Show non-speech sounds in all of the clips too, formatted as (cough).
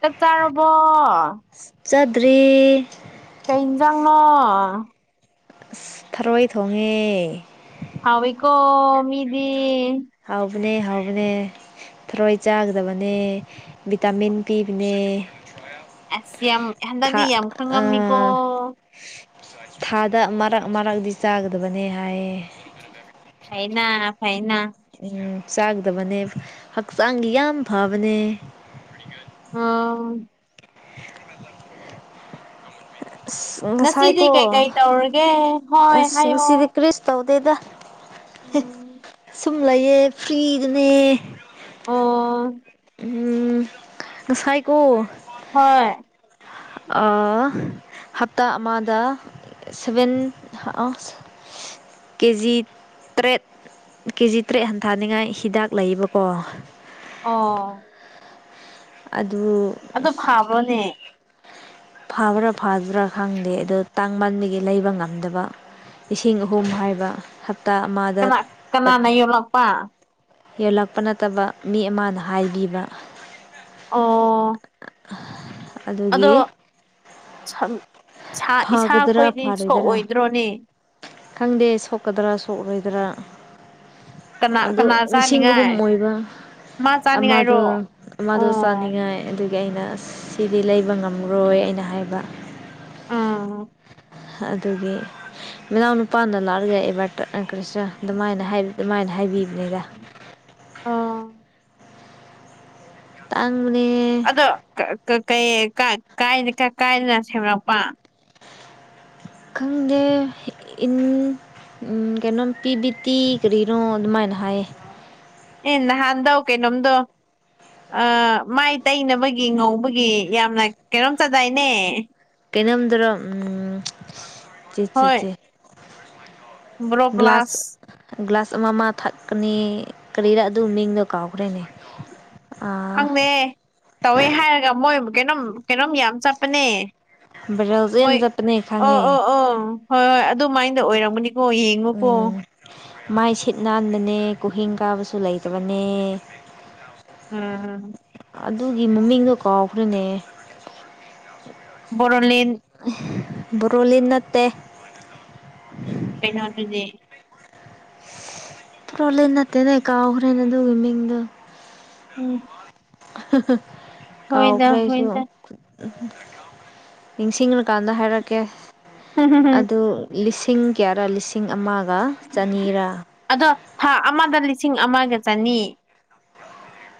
ꯀ ꯆꯥꯔꯔꯕꯣ ꯆꯠꯗꯔꯤ ꯀꯩ ꯌꯦꯟꯁꯥꯡꯅꯣ ꯊꯔꯣꯏ ꯊꯣꯡꯉꯦ ꯍꯕ ꯏꯀꯣ ꯃꯤꯗꯤ ꯍꯥꯎ ꯕꯅꯦ ꯍꯥꯎꯕꯅꯦ ꯊꯔꯣꯏ ꯆꯥꯒꯗꯕꯅꯦ ꯚꯤꯇꯥꯃꯤꯟ ꯄꯤꯕꯅꯦ ꯑꯁ ꯌꯥꯝ ꯍꯟꯗꯛꯇꯤ ꯊꯥ ꯌꯥꯝ ꯈꯪꯉꯝꯃꯤꯀꯣ ꯑꯥ ꯊꯥꯗ ꯃꯔꯛ ꯃꯔꯛꯇꯗꯤ ꯆꯥꯒꯗꯕꯅꯦ ꯍꯥꯏꯌꯦ ꯐꯥꯏꯅꯥ ꯐꯥꯏꯅꯥ ꯎꯝ ꯆꯥꯗꯕꯅꯦ ꯍꯛꯆꯥꯡꯒꯤ ꯌꯥꯝ ꯐꯕꯅꯦ ꯑ ꯑꯁ ꯉꯁꯤꯗꯤ ꯉꯁꯥꯏꯀꯣ ꯀꯩꯀꯩ ꯇꯧꯔꯒꯦ ꯍꯣꯏ ꯑꯁ ꯍꯥꯏꯌꯣ ꯉꯁꯤꯗꯤ ꯀ꯭ꯔꯤꯁ ꯇꯧ ꯗ ꯎꯝ ꯁꯃꯂꯌꯦ ꯄꯤꯔꯅꯦ ꯑꯣ ꯎꯝ ꯉꯁꯥꯏꯀꯣ ꯍꯣꯏ ꯑ ꯍꯞꯇꯥ ꯑꯃꯗ ꯁꯚꯦꯟ ꯀꯦꯖꯤ ꯇꯔꯦꯠ ꯀꯦꯖꯤ ꯇꯔꯦꯠ ꯍꯟꯊꯥꯅꯤꯉꯥꯏ ꯍꯤꯗꯥꯛ ꯂꯩꯌꯦꯕꯀꯣ ꯑ ꯑꯗꯨ ꯑꯗꯨꯣ ꯐꯥꯕ꯭ꯔꯣꯅꯦ ꯐꯕ꯭ꯔꯥ ꯐꯕ꯭ꯔꯥ ꯈꯪꯗꯦ ꯑꯗꯨꯗꯣ ꯇꯥꯡ ꯃꯥꯟꯕꯒꯤ ꯂꯩꯕ ꯉꯝꯗꯕ ꯂꯤꯁꯤꯡ ꯑꯍꯨꯝ ꯍꯥꯏꯕ ꯍꯞꯇꯥ ꯑꯃꯗ ꯀꯅꯥ ꯇꯠ ꯀꯅꯥꯅ ꯌꯣꯜꯂꯛꯄ ꯌꯣꯜꯂꯛꯄ ꯅꯠꯇꯕ ꯃꯤ ꯑꯃꯅ ꯍꯥꯏꯕꯤꯕ ꯑꯣ ꯑꯗꯨꯒꯤ ꯁꯔ ꯐꯒꯗꯔꯥ ꯐꯔꯣꯏꯗꯔꯥ ꯈꯪꯗꯦ ꯁꯣꯛꯀꯗ꯭ꯔꯥ ꯁꯣꯛꯣꯏꯗꯥ ꯑꯗꯨꯗ꯭ꯔꯥ ꯀꯅꯥ ꯑꯗꯣ ꯀꯅꯥ ꯂꯤꯁꯤꯡ ꯑꯍꯨꯝ ꯆꯥꯅꯤꯡꯉꯥꯏ ꯑꯣꯏꯕ ꯃꯥ ꯑꯗ ꯆꯥꯅꯤꯡꯉꯥꯏꯔꯣ ꯑꯃꯗ ꯑꯣ ꯁꯅꯤꯥꯏ ꯑꯗꯨ ꯑꯩꯅ ꯁꯤꯗꯤ ꯂꯩꯕ ꯉꯝꯈꯔꯣꯏ ꯑꯩꯅ ꯍꯥꯏꯕ ꯑꯥ ꯑꯗꯨꯒꯤ ꯃꯅꯥꯎ ꯅꯨꯄꯥꯅ ꯂꯥꯒꯑꯕ ꯀ꯭ꯔꯤꯁꯅ ꯑꯗꯨꯃꯥꯏꯅ ꯑꯗꯨꯃꯥꯏꯅ ꯍꯥꯏꯕꯤꯕꯅꯤꯗ ꯑꯥ ꯇꯥꯡꯕꯅꯦ ꯑꯗꯣ ꯀꯥꯏꯗꯅ ꯁꯦꯝꯂꯛꯄ ꯈꯪꯗꯦ ꯏꯟ ꯎꯝ ꯀꯩꯅꯣꯝ ꯄꯤ ꯕꯤꯇꯤ ꯀꯔꯤꯅꯣ ꯑꯗꯨꯃꯥꯏꯅ ꯍꯥꯏꯌꯦ ꯏ ꯅꯍꯥꯟꯗꯧ ꯀꯦꯩꯅꯣꯝꯗꯣ ꯃꯥꯏ ꯇꯩꯅꯕꯒꯤ ꯉꯧꯕꯒꯤ ꯌꯥꯝꯅ ꯀꯩꯅꯣꯝ ꯆꯗꯥꯏꯅꯦ ꯀꯩꯅꯣꯝꯗꯔꯣ ꯎꯝ ꯆꯦ ꯆꯦ ꯒ꯭ꯂꯥꯁ ꯕ꯭ꯔꯣꯄ꯭ꯂꯥꯁ ꯒ꯭ꯂꯥꯁ ꯑꯃ ꯑꯃ ꯊꯛꯀꯅꯤ ꯀꯔꯤꯔꯥ ꯑꯗꯨ ꯃꯤꯡꯅꯣ ꯀꯥꯎꯈ꯭ꯔꯦꯅꯦ ꯈꯪꯗꯦ ꯇꯧꯋꯦ ꯍꯥꯏꯔꯒ ꯃꯣꯏ ꯀꯩꯅꯣꯝ ꯀꯩꯅꯣꯝ ꯌꯥꯝ ꯆꯠꯄꯅꯦ ꯃꯣꯏ ꯕꯖꯁꯁꯅꯦ ꯑꯣ ꯑꯣ ꯑꯣ ꯍꯣꯏ ꯍꯣꯏ ꯑꯗꯨꯃꯥꯏꯅꯗ ꯑꯣꯏꯔꯝꯒꯅꯤꯀꯣ ꯌꯦꯡꯉꯨꯀꯣ ꯃꯥꯏ ꯁꯤꯠ ꯅꯥꯟꯕꯅꯦ ꯀꯨꯍꯤꯡ ꯀꯥꯕꯁꯨ ꯂꯩꯇꯕꯅꯦ ꯎꯝꯝ ꯑꯗꯨꯒꯤ ꯃꯃꯤꯡꯗꯣ ꯀꯥꯎꯈ꯭ꯔꯅꯦ ꯕꯣꯔꯣꯂꯦꯟ ꯕꯣꯔꯣꯂꯤ ꯅꯠꯇ ꯀꯩꯅꯣ ꯑꯗꯨꯁꯦ ꯄꯣꯂ ꯅꯠꯇꯦꯅꯦ ꯀꯥꯈꯔꯅ ꯑꯗꯨꯒꯤ ꯃꯗ ꯎꯝ (unintelligible) ꯍꯣꯏꯗ ꯍꯣꯏꯗ ꯎꯝ ꯅꯤꯡꯁꯤꯡꯂꯀꯥꯟꯗ ꯍꯥꯏꯔꯛꯀꯦ ꯍꯝ ꯍꯝ ꯍꯝ ꯑꯗꯨ ꯂꯤꯁꯤꯡ ꯀꯌꯥꯔꯥ ꯂꯤꯁꯤꯡ ꯑꯃ ꯑꯗꯣ ꯊꯥ ꯑꯃꯗ ꯂꯤꯁꯤꯡ ꯑꯃꯒ ꯆꯅꯤ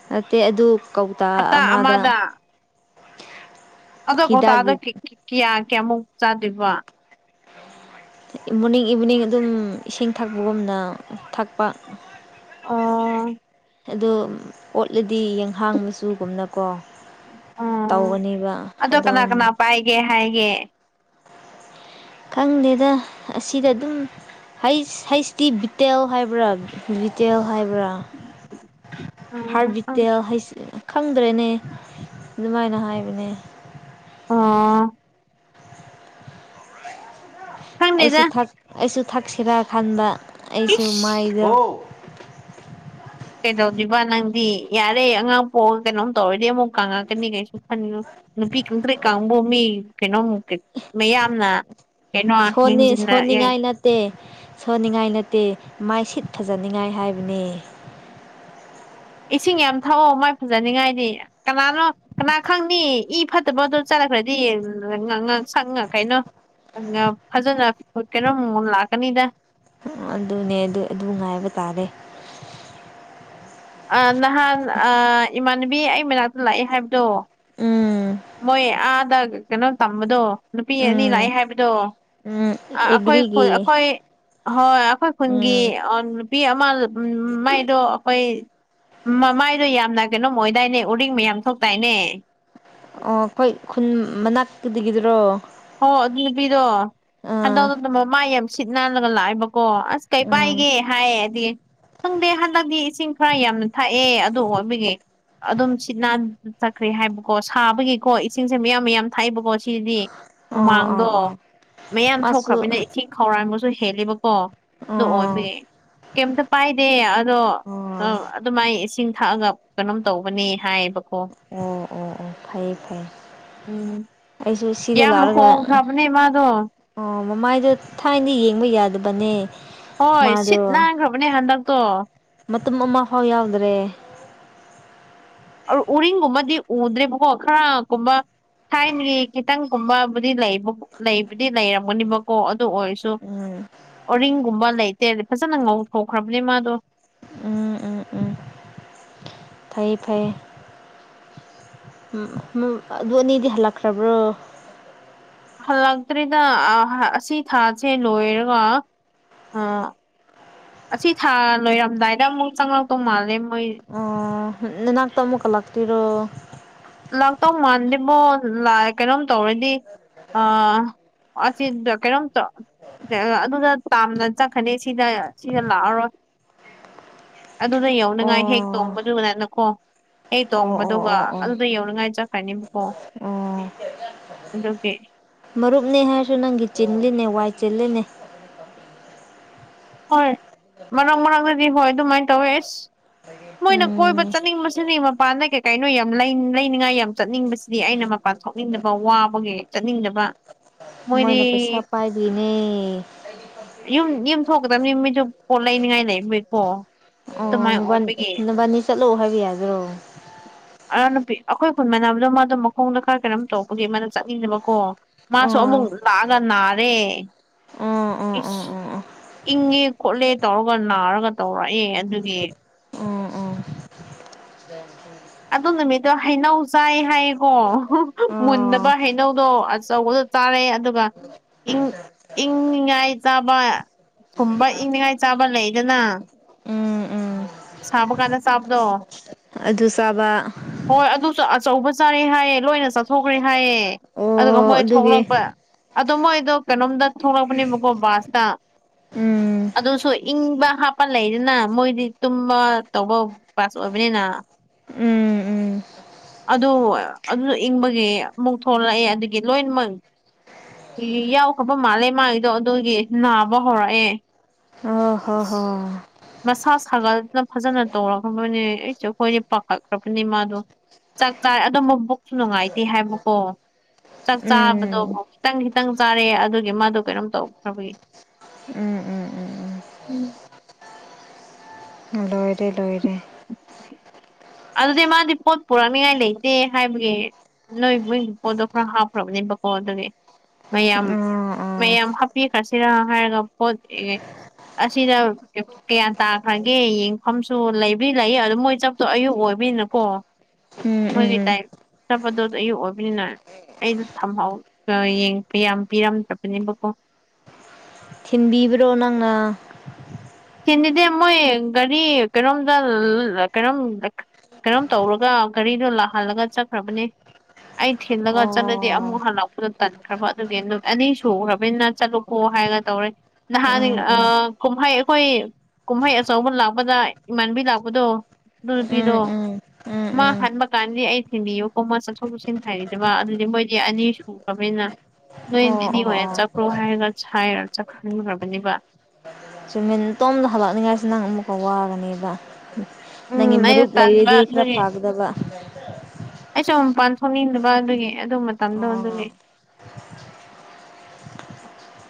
ꯅꯠꯇꯦ ꯑꯗꯨ ꯀꯧꯇꯥ ꯑꯃꯗ ꯑꯗꯣ ꯀ ꯇ ꯑꯗ ꯍꯤꯗꯥꯛꯀꯤ ꯀꯌꯥ ꯀꯌꯥꯃꯨꯛ ꯆꯥꯗꯕ ꯃꯣꯔꯅꯤꯡ ꯏꯚꯤꯅꯤꯡ ꯑꯗꯨꯝ ꯏꯁꯤꯡ ꯊꯛꯄꯒꯨꯝꯅ ꯊꯛꯄ ꯑꯣ ꯑꯗꯣ ꯑꯣꯠꯂꯗꯤ ꯌꯦꯡꯍꯥꯡ ꯃꯆꯨꯒꯨꯝꯅꯀꯣ ꯎꯝ ꯇꯧꯒꯅꯦꯕ ꯑꯗꯣ ꯀꯅꯥ ꯑꯗꯨꯝ ꯀꯅꯥ ꯄꯥꯏꯒꯦ ꯍꯥꯏꯒꯦ ꯈꯪꯗꯦꯗ ꯑꯁꯤꯗ ꯑꯗꯨꯝ ꯍ ꯍꯩꯁꯇꯤ ꯕꯤꯇꯦꯜ ꯍꯥꯏꯕ꯭ꯔꯥ ꯕꯤꯇꯦꯜ ꯍꯥꯏꯕ꯭ꯔꯥ ꯎꯝ ꯍꯥꯔꯕꯤꯇꯦꯜ ꯍꯥꯏꯁ ꯈꯪ ꯈꯠꯇ꯭ꯔꯅꯦ ꯑꯗꯨꯃꯥꯏꯅ ꯍꯥꯏꯕꯅꯦ ꯑꯥ ꯈꯪꯗꯦꯗ ꯑꯩꯁꯨ ꯑꯩꯁꯨ ꯊꯛꯁꯤꯔꯥꯀꯥꯟꯗ ꯑꯩꯁꯨ ꯏꯁ ꯃꯥꯏꯖ ꯀꯩꯗꯧꯗꯣꯏꯕ ꯅꯪꯗꯤ ꯌꯥꯔꯦ ꯑꯉꯥꯡ ꯄꯣꯛꯑꯒ ꯀꯩꯅꯣꯝ ꯇꯧꯔꯗꯤ ꯑꯃꯨꯛ ꯀꯪꯉꯛꯀꯅꯤ ꯀꯩꯁꯨ ꯈꯟꯉꯨ ꯅꯨꯄꯤ ꯈꯇꯔꯤ ꯀꯥꯡꯕꯨ ꯃꯤ ꯀꯩꯅꯣꯝ ꯃꯌꯥꯝꯅ ꯀꯩꯅꯣ ꯍꯦꯟꯖꯤꯟꯅ ꯁꯣꯟꯅꯤꯡꯉꯥꯏ ꯅꯠꯇꯦ ꯁꯣꯟꯅꯤꯡꯉꯥꯏ ꯅꯠꯇꯦ ꯃꯥꯏꯁꯤꯠ ꯐꯖꯅꯤꯡꯉꯥꯏ ꯍꯥꯏꯕꯅꯤ ꯏꯁꯤꯡ ꯌꯥꯝ ꯊꯛꯑꯣ ꯃꯥꯏ ꯐꯖꯅꯤꯡꯉꯥꯏꯗꯤ ꯀꯅꯥꯅꯣ ꯀꯅꯥ ꯈꯪꯅꯤ ꯏ ꯐꯠꯇꯕꯗ ꯆꯠ ꯆꯅꯈ꯭ꯔꯗꯤ ꯁꯪꯉ ꯀꯩꯅꯣ ꯐꯖꯅ ꯀꯩꯅꯣꯝ ꯃꯑꯣꯡ ꯂꯥꯛꯀꯅꯤꯗ ꯑꯗꯨꯅꯦ ꯑꯗꯨ ꯉꯥꯏꯕ ꯇꯥꯔꯦ ꯅꯍꯥꯟ ꯏꯃꯥꯟꯅꯕꯤ ꯑꯩ ꯃꯅꯥꯛꯇ ꯂꯥꯛꯑꯦ ꯍꯥꯏꯕꯗꯣ ꯎꯝ ꯃꯣꯏ ꯑꯥꯗ ꯀꯩꯅꯣ ꯇꯝꯕꯗꯣ ꯅꯨꯄꯤ ꯑꯅꯤ ꯂꯥꯛꯑꯦ ꯎꯝ ꯍꯥꯏꯕꯗꯣ ꯎꯝ ꯑꯩꯈꯣꯏ ꯑꯦꯒ꯭ꯔꯤꯒꯤ ꯑꯩꯈꯣꯏ ꯍꯣꯏ ꯑꯩꯈꯣꯏ ꯈꯨꯟꯒꯤ ꯎꯝ ꯅꯨ ꯄꯄꯤ ꯑꯃ ꯃꯥꯏꯗꯣ ꯑꯩꯈꯣꯏ ꯃꯃꯥꯏꯗꯣ ꯌꯥꯝꯅ ꯀꯩꯅꯣꯝ ꯑꯣꯏꯗꯥꯏꯅꯦ ꯎꯔꯤꯡ ꯃ ꯌꯥꯝ ꯊꯣꯛꯇꯏꯅꯦ ꯑꯣ ꯑꯩꯈꯣꯏ ꯈꯨꯟ ꯃꯅꯥꯛꯛꯇꯗꯒꯤꯗꯨꯔꯣ ꯑꯣ ꯑꯗꯨ ꯅꯨꯄꯤꯗꯣ ꯑꯥ ꯍꯟꯗꯧꯗ ꯃꯃꯥꯏ ꯌꯥꯝ ꯁꯤꯠ ꯅꯥꯜꯂꯒ ꯂꯥꯛꯑꯦꯕ ꯀꯣ ꯑꯁ ꯀꯩ ꯎꯝ ꯄꯥꯏꯒꯦ ꯍꯥꯏꯌꯦꯗꯤ ꯈꯪꯗꯦ ꯍꯟꯗꯛꯗꯤ ꯏꯁꯤꯡ ꯈꯔ ꯌꯥꯝꯅ ꯊꯥꯛꯑꯦ ꯑꯗꯨꯣ ꯑꯣꯏꯕꯒꯤ ꯑꯗꯨꯝ ꯁꯤꯠ ꯅꯥꯟ ꯆꯠꯈ꯭ꯔꯦ ꯍꯥꯏꯕꯀꯣ ꯁꯥꯕꯒꯤꯀꯣ ꯏꯁꯤꯡꯁꯦ ꯃꯌꯥꯝ ꯃꯌꯥꯝ ꯊꯥꯛꯏꯕꯀꯣ ꯁꯤꯗꯤ ꯑꯣ ꯑꯣ ꯑꯣ ꯍꯨꯃꯥꯡꯗꯣ ꯃꯌꯥꯝ ꯃꯥꯁꯨ ꯊꯣꯛꯧꯈ꯭ꯔꯕꯅꯤꯅ ꯏꯁꯤꯡ ꯈꯧꯔꯥꯡꯕꯁꯨ ꯍꯦꯜꯂꯤꯕ ꯑꯣ ꯑꯣ ꯑꯗꯨꯣ ꯑꯣꯏꯕ ꯀꯩꯝꯇ ꯄꯥꯏꯗꯦ ꯑꯗꯣ ꯑꯣ ꯑꯣ ꯑꯗꯨꯃꯥꯏꯅ ꯏꯁꯤꯡ ꯊꯛꯑꯒ ꯀꯩꯅꯣꯝ ꯇꯧꯕꯅꯤ ꯍꯥꯏ ꯑꯣ ꯑꯣ ꯑꯣ ꯐꯩꯌꯦ ꯐꯩꯌꯦ ꯎꯝ ꯑꯩ ꯁꯤꯗ ꯌꯥꯝ ꯂꯔꯒ ꯍꯣꯡꯈ꯭ꯔꯕꯅꯦ ꯃꯥꯗꯣ ꯑ ꯃꯃꯥꯏꯗꯣ ꯊꯥꯏꯅ ꯌꯦꯡꯕ ꯌꯥꯗꯕꯅꯦ ꯍꯣꯏ ꯁꯤꯠ ꯃꯥꯗꯣ ꯅꯥꯈ꯭ꯔꯕꯅꯦ ꯍꯟꯗꯛꯇꯣ ꯑꯗꯨꯝ ꯑꯃ ꯐꯥꯎ ꯌꯥꯎꯗ꯭ꯔꯦ ꯎꯔꯤꯡꯒꯨꯝꯕꯗꯤ ꯎꯗ꯭ꯔꯦꯕꯀꯣ ꯈꯔ ꯀꯨꯝꯕ ꯊꯥꯏꯅꯒꯤ ꯈꯤꯇꯪꯒꯨꯝꯕꯕꯨꯗꯤ ꯂꯩ ꯂꯩꯕꯨꯗꯤ ꯂꯩꯔꯝꯒꯅꯤꯕꯀꯣ ꯑꯣꯏꯔꯁꯨ ꯎꯝ ꯑꯣꯔꯤꯡ ꯨꯝꯕ ꯂꯩꯇꯦ ꯐꯖꯅ ꯉꯧꯊꯣꯛꯈ꯭ꯔꯕꯅꯦ ꯃꯥꯗꯣ ꯎꯝ ꯎꯝ ꯐꯩꯌꯦ ꯐꯩꯌꯦ ꯎꯝ ꯑꯗꯨ ꯑꯅꯤꯗꯤ ꯍꯜꯂꯛꯈ꯭ꯔꯕ꯭ꯔꯣ ꯍꯜꯂꯛꯇ꯭ꯔꯦꯗ ꯑꯁꯤ ꯊꯥꯁꯦ ꯂꯣꯏꯔꯒ ꯑꯣ ꯑꯁꯤ ꯊꯥ ꯂꯣꯏꯔꯝꯗꯥꯏꯗ ꯑꯃꯨꯛ ꯆꯪꯂꯛꯇꯧ ꯃꯥꯜꯂꯦ ꯃꯣꯏ ꯑꯣ ꯅꯅꯥꯛꯇ ꯑꯃꯨꯛꯀ ꯂꯥꯛꯇꯔꯣ ꯂꯥꯛꯇꯧ ꯃꯥꯟꯗꯦꯕꯣ ꯀꯩꯅꯣꯝ ꯇꯧꯔꯗꯤ ꯑ ꯑꯆꯤꯟꯗ ꯀꯔꯣꯝ ꯆ ꯑꯗꯨꯗ ꯇꯥꯝꯅ ꯆꯠꯈꯅꯤ ꯁꯤꯗ ꯁꯤꯗ ꯂꯥꯛꯑꯔꯣꯏ (inaudible) ꯑꯗꯨꯗ ꯑꯣ ꯌꯧꯅꯤꯡꯉꯥꯏ ꯍꯦꯛ ꯇꯣꯡꯕꯗꯨꯒꯅꯅꯀꯣ ꯍꯦꯛ ꯑꯣ ꯑꯣ ꯇꯣꯡꯕꯗꯨꯒ ꯑꯣ ꯑꯣ ꯑꯗꯨꯜꯗ ꯌꯧꯅꯤꯡꯉꯥꯏ ꯆꯠꯀ꯭ꯔꯅꯦꯕꯀꯣ ꯑꯣ ꯑꯗꯨꯒꯤ ꯃꯔꯨꯞꯅꯤ ꯍꯥꯏꯔꯁꯨ ꯅꯪꯒꯤ ꯆꯤꯜꯂꯤꯅꯦ ꯋꯥꯏ ꯆꯤꯜꯂꯤꯅꯦ ꯍꯣꯏ ꯃꯔꯥꯡ ꯃꯔꯥꯡꯗꯗꯤ ꯍꯣꯏ ꯑꯗꯨꯃꯥꯏꯅ ꯇꯧꯋꯦ ꯑꯦꯁ ꯃꯣꯏꯅ ꯀꯣꯏꯕ ꯎꯝ ꯆꯠꯅꯤꯡꯕꯁꯤꯅꯤ ꯃꯄꯥꯟꯗ ꯀꯩ ꯀꯩꯅꯣ ꯌꯥꯝ ꯂꯩꯅꯤꯡꯉꯥꯏ ꯌꯥꯝ ꯆꯠꯅꯤꯡꯕꯁꯤꯗꯤ ꯑꯩꯅ ꯃꯄꯥꯟ ꯄꯥꯟꯊꯣꯛꯅꯤꯡꯗꯕ ꯋꯥꯕꯒꯤ ꯆꯠꯅꯤꯡꯗꯕ ꯃꯣꯏꯗꯤ ꯃꯣꯏꯅ ꯄꯩꯁꯥ ꯄꯥꯏꯕꯤꯅꯦ ꯌꯨꯝ ꯌꯨꯝ ꯊꯣꯛꯀꯗꯕꯅꯤ ꯃꯤꯁꯨ ꯄꯣꯠ ꯂꯩꯅꯤꯉꯥꯏ ꯂꯩꯕꯀꯣ ꯑꯣ ꯃꯣꯕꯥꯏ ꯃꯕꯥꯅꯤ ꯆꯠꯂꯣꯑꯣ ꯍꯥꯏꯕ ꯌꯥꯗ꯭ꯔꯣ ꯑꯔ ꯅꯨꯨꯄꯤ ꯑꯩꯈꯣꯏ ꯈꯨꯟ ꯃꯥꯟꯅꯕꯗꯣ ꯃꯥꯗꯣ ꯃꯈꯣꯡꯗ ꯈꯔ ꯀꯩꯅꯣꯝ ꯇꯧꯕꯒꯤ ꯃꯥꯅ ꯆꯠꯂꯤꯅꯦꯕꯀꯣ ꯃꯥꯁꯨ ꯑꯣ ꯑꯃꯨꯛ ꯂꯥꯛꯒ ꯅꯥꯔꯦ ꯎꯝ ꯏꯁꯁ ꯎꯝ ꯏꯪꯉꯦ ꯈꯣꯠꯂꯦ ꯇꯧꯔꯒ ꯅꯥꯔꯒ ꯇꯧꯔꯛꯑꯦ ꯑꯗꯨꯒꯤ ꯑꯗꯨ ꯅꯨꯃꯤꯠꯇꯣ ꯍꯩꯅꯧ ꯆꯥꯏ ꯍꯥꯏꯌꯦꯀꯣ ꯃꯨꯟꯗꯕ ꯍꯩꯅꯧꯗꯣ ꯑꯆꯧꯕꯗ ꯇꯥꯔꯦ ꯑꯗꯨꯒ ꯏꯪ ꯏꯪꯉꯥꯏ ꯇꯥꯕ ꯨꯝꯕ ꯏꯪꯅꯤꯉꯥꯏ ꯆꯥꯕ ꯂꯩꯗꯅ ꯁꯥꯕ ꯀꯥꯟꯗ ꯆꯕꯗꯣ ꯑꯗꯨ ꯆꯥꯕ ꯑꯗꯨꯁꯨ ꯑꯆꯧꯕ ꯆꯥꯔꯦ ꯍꯥꯏꯌꯦ ꯂꯣꯏꯅ ꯆꯠꯊꯣꯛꯈ꯭ꯔꯦ ꯍꯥꯏꯌꯦ ꯑꯗꯨꯒ ꯑꯣ ꯃꯣꯏ ꯑꯗꯨꯒꯤ ꯊꯣꯛꯂꯛꯄ ꯑꯗꯣ ꯃꯣꯏꯗꯣ ꯀꯩꯅꯣꯝꯗ ꯊꯣꯛꯂꯛꯄꯅꯦꯕꯀꯣ ꯕꯥꯁꯇ ꯎꯝ ꯑꯗꯨꯁꯨ ꯏꯪꯕ ꯍꯥꯞꯄ ꯂꯩꯗꯅ ꯃꯣꯏꯗꯤ ꯇꯨꯝꯕ ꯇꯧꯕ ꯄꯥꯁ ꯑꯣꯏꯕꯅꯤꯅ ꯎꯝ ꯎꯝ ꯑꯗꯨ ꯑꯗꯨꯁꯨ ꯏꯪꯕꯒꯤ ꯑꯃꯨꯛ ꯊꯣꯛꯂꯛꯑꯦ ꯑꯗꯨꯗꯒꯤ ꯂꯣꯏꯅꯃꯛ ꯌꯥꯎꯈ꯭ꯔꯕ ꯃꯥꯜꯂꯦ ꯃꯥꯒꯤꯗꯣ ꯑꯗꯨꯒꯤ ꯅꯥꯕ ꯍꯧꯔꯛꯑꯦ ꯑ ꯍꯣ ꯏꯁ ꯍꯣ ꯃꯁꯥ ꯁꯥꯒꯠꯅ ꯐꯖꯅ ꯇꯧꯔꯛꯈ꯭ꯔꯕꯅꯦ ꯑꯁ ꯑꯩꯈꯣꯏꯗꯤ ꯄꯥꯈꯠꯈ꯭ꯔꯕꯅꯤ ꯃꯥꯗꯣ ꯆꯥꯛꯆꯏ ꯑꯗꯨꯝ ꯃꯕꯨꯛꯁꯨ ꯅꯨꯡꯉꯥꯏꯇꯦ ꯍꯥꯏꯕꯀꯣ ꯆꯥꯛ ꯆꯥꯕꯗꯣ ꯎꯝ ꯈꯤꯇꯪ ꯈꯤꯇꯪ ꯆꯥꯔꯦ ꯑꯗꯨꯒꯤ ꯃꯥꯗꯣ ꯀꯩꯅꯣꯝ ꯇꯧꯈ꯭ꯔꯕꯒꯤ ꯎꯝ ꯎꯝ ꯎꯝ ꯎꯝ ꯎꯝ ꯂꯣꯏꯔꯦ ꯂꯣꯏꯔꯦ ꯑꯗꯨꯗꯤ ꯃꯥꯗꯤ ꯄꯣꯠ ꯄꯨꯔꯛꯅꯤꯉꯥꯏ ꯂꯩꯇꯦ ꯍꯥꯏꯕꯒꯤ ꯅꯣꯏ ꯃꯣꯏꯒꯤ ꯄꯣꯠꯇꯣ ꯈꯔ ꯍꯥꯞꯈ꯭ꯔꯕꯅꯦꯕꯀꯣ ꯑꯗꯨꯒꯤ ꯃꯌꯥꯝ ꯑꯥ ꯑꯥ ꯃꯌꯥꯝ ꯍꯥꯞꯄꯤ ꯈ꯭ꯔꯁꯤꯔ ꯍꯥꯏꯔꯒ ꯄꯣꯠ ꯑꯁꯤꯗ ꯀꯌꯥ ꯇꯥꯈ꯭ꯔꯒꯦ ꯌꯦꯡꯐꯝꯁꯨ ꯂꯩꯕꯔꯤ ꯂꯩꯌꯦ ꯑꯗꯨ ꯃꯣꯏ ꯆꯠꯇꯣ ꯑꯌꯨꯛ ꯑꯣꯏꯕꯅꯤꯅꯀꯣ ꯎꯝ ꯎꯝ ꯃꯣꯏꯒꯤ ꯎꯝ ꯇꯥꯏ ꯆꯠꯄꯗꯨꯗ ꯑꯌꯨꯛ ꯑꯣꯏꯕꯅꯤꯅ ꯑꯩꯅ ꯊꯝꯍꯥꯎ ꯌꯦꯡ ꯌꯥꯝ ꯄꯤꯔꯝꯗ꯭ꯔꯕꯅꯦꯕꯀꯣ ꯊꯤꯟꯕꯤꯕ꯭ꯔꯣ ꯅꯪꯅ ꯁꯤꯗꯗꯤ ꯃꯣꯏ ꯒꯥꯔꯤ ꯀꯩꯅꯣꯝꯗ ꯂꯥ ꯀꯩꯅꯣꯝ ꯀꯩꯅꯣꯝ ꯇꯧꯔꯒ ꯒꯥꯔꯤꯗꯣ ꯂꯥꯛꯍꯜꯂꯒ ꯆꯠꯈ꯭ꯔꯕꯅꯦ ꯑꯩ ꯊꯤꯂꯒ ꯆꯠꯂꯗꯤ ꯑꯣ ꯑꯃꯨꯛ ꯍꯥꯟ ꯂꯥꯛꯄꯗꯣ ꯇꯟꯈ꯭ꯔꯕ ꯑꯗꯨꯒꯤ ꯅꯨꯠ ꯑꯅꯤ ꯁꯨꯈꯔꯕꯅꯤꯅ ꯆꯠꯂꯣꯀꯣ ꯍꯥꯏꯔ ꯇꯧꯔꯦ ꯅꯍꯥꯟ ꯎꯝ ꯎꯝ ꯀꯨꯝꯍꯩ ꯑꯩꯈꯣꯏ ꯀꯨꯝꯍꯩ ꯑꯆꯧꯕ ꯂꯥꯛꯄꯗ ꯏꯃꯥꯟꯕꯤ ꯂꯥꯛꯄꯗꯣ ꯑꯗꯨꯄꯤꯔꯣ ꯎꯝ ꯎꯝ ꯎꯝ ꯃꯥ ꯎꯝ ꯍꯟꯥꯟꯕ ꯀꯥꯟꯗꯤ ꯑꯩ ꯊꯦꯡꯕꯤꯌꯨꯀꯣ ꯃꯥ ꯆꯠꯊꯣꯛ ꯆꯠꯁꯤꯟ ꯍꯩꯇꯕꯕ ꯑꯗꯨꯗꯤ ꯃꯣꯏꯗꯤ ꯑꯅꯤ ꯁꯨꯈ꯭ꯔꯕꯅꯤꯅ ꯑꯣ ꯅꯣꯏꯗꯤ ꯑꯣ ꯍꯣꯏꯅ ꯑꯣ ꯆꯠꯈ꯭ꯔꯣ ꯍꯥꯏꯔꯒ ꯁꯥꯏꯔ ꯆꯠꯈꯟꯈ꯭ꯔꯕꯅꯦꯕ ꯆꯨꯃꯤꯟꯇꯣꯝꯗ ꯍꯥꯂꯛꯅꯤꯡꯉꯥꯏꯁꯤ ꯅꯪ ꯑꯃꯨꯛꯀ ꯋꯥꯒꯅꯦꯕ ꯅꯪꯒꯤ ꯎꯝ ꯑꯩꯅ ꯃꯔꯨꯞ ꯇꯟꯕ ꯂꯩꯔꯗꯤ ꯈꯔ ꯑꯗꯨꯒꯤ ꯐꯥꯒꯗꯕ ꯑꯩꯁꯨ ꯃꯄꯥꯟ ꯊꯣꯛꯃꯤꯟꯅꯕ ꯑꯗꯨꯒꯤ ꯑꯗꯨ ꯃꯇꯝꯗꯣ ꯑꯣ ꯑꯗꯨꯒꯤ (unintelligible)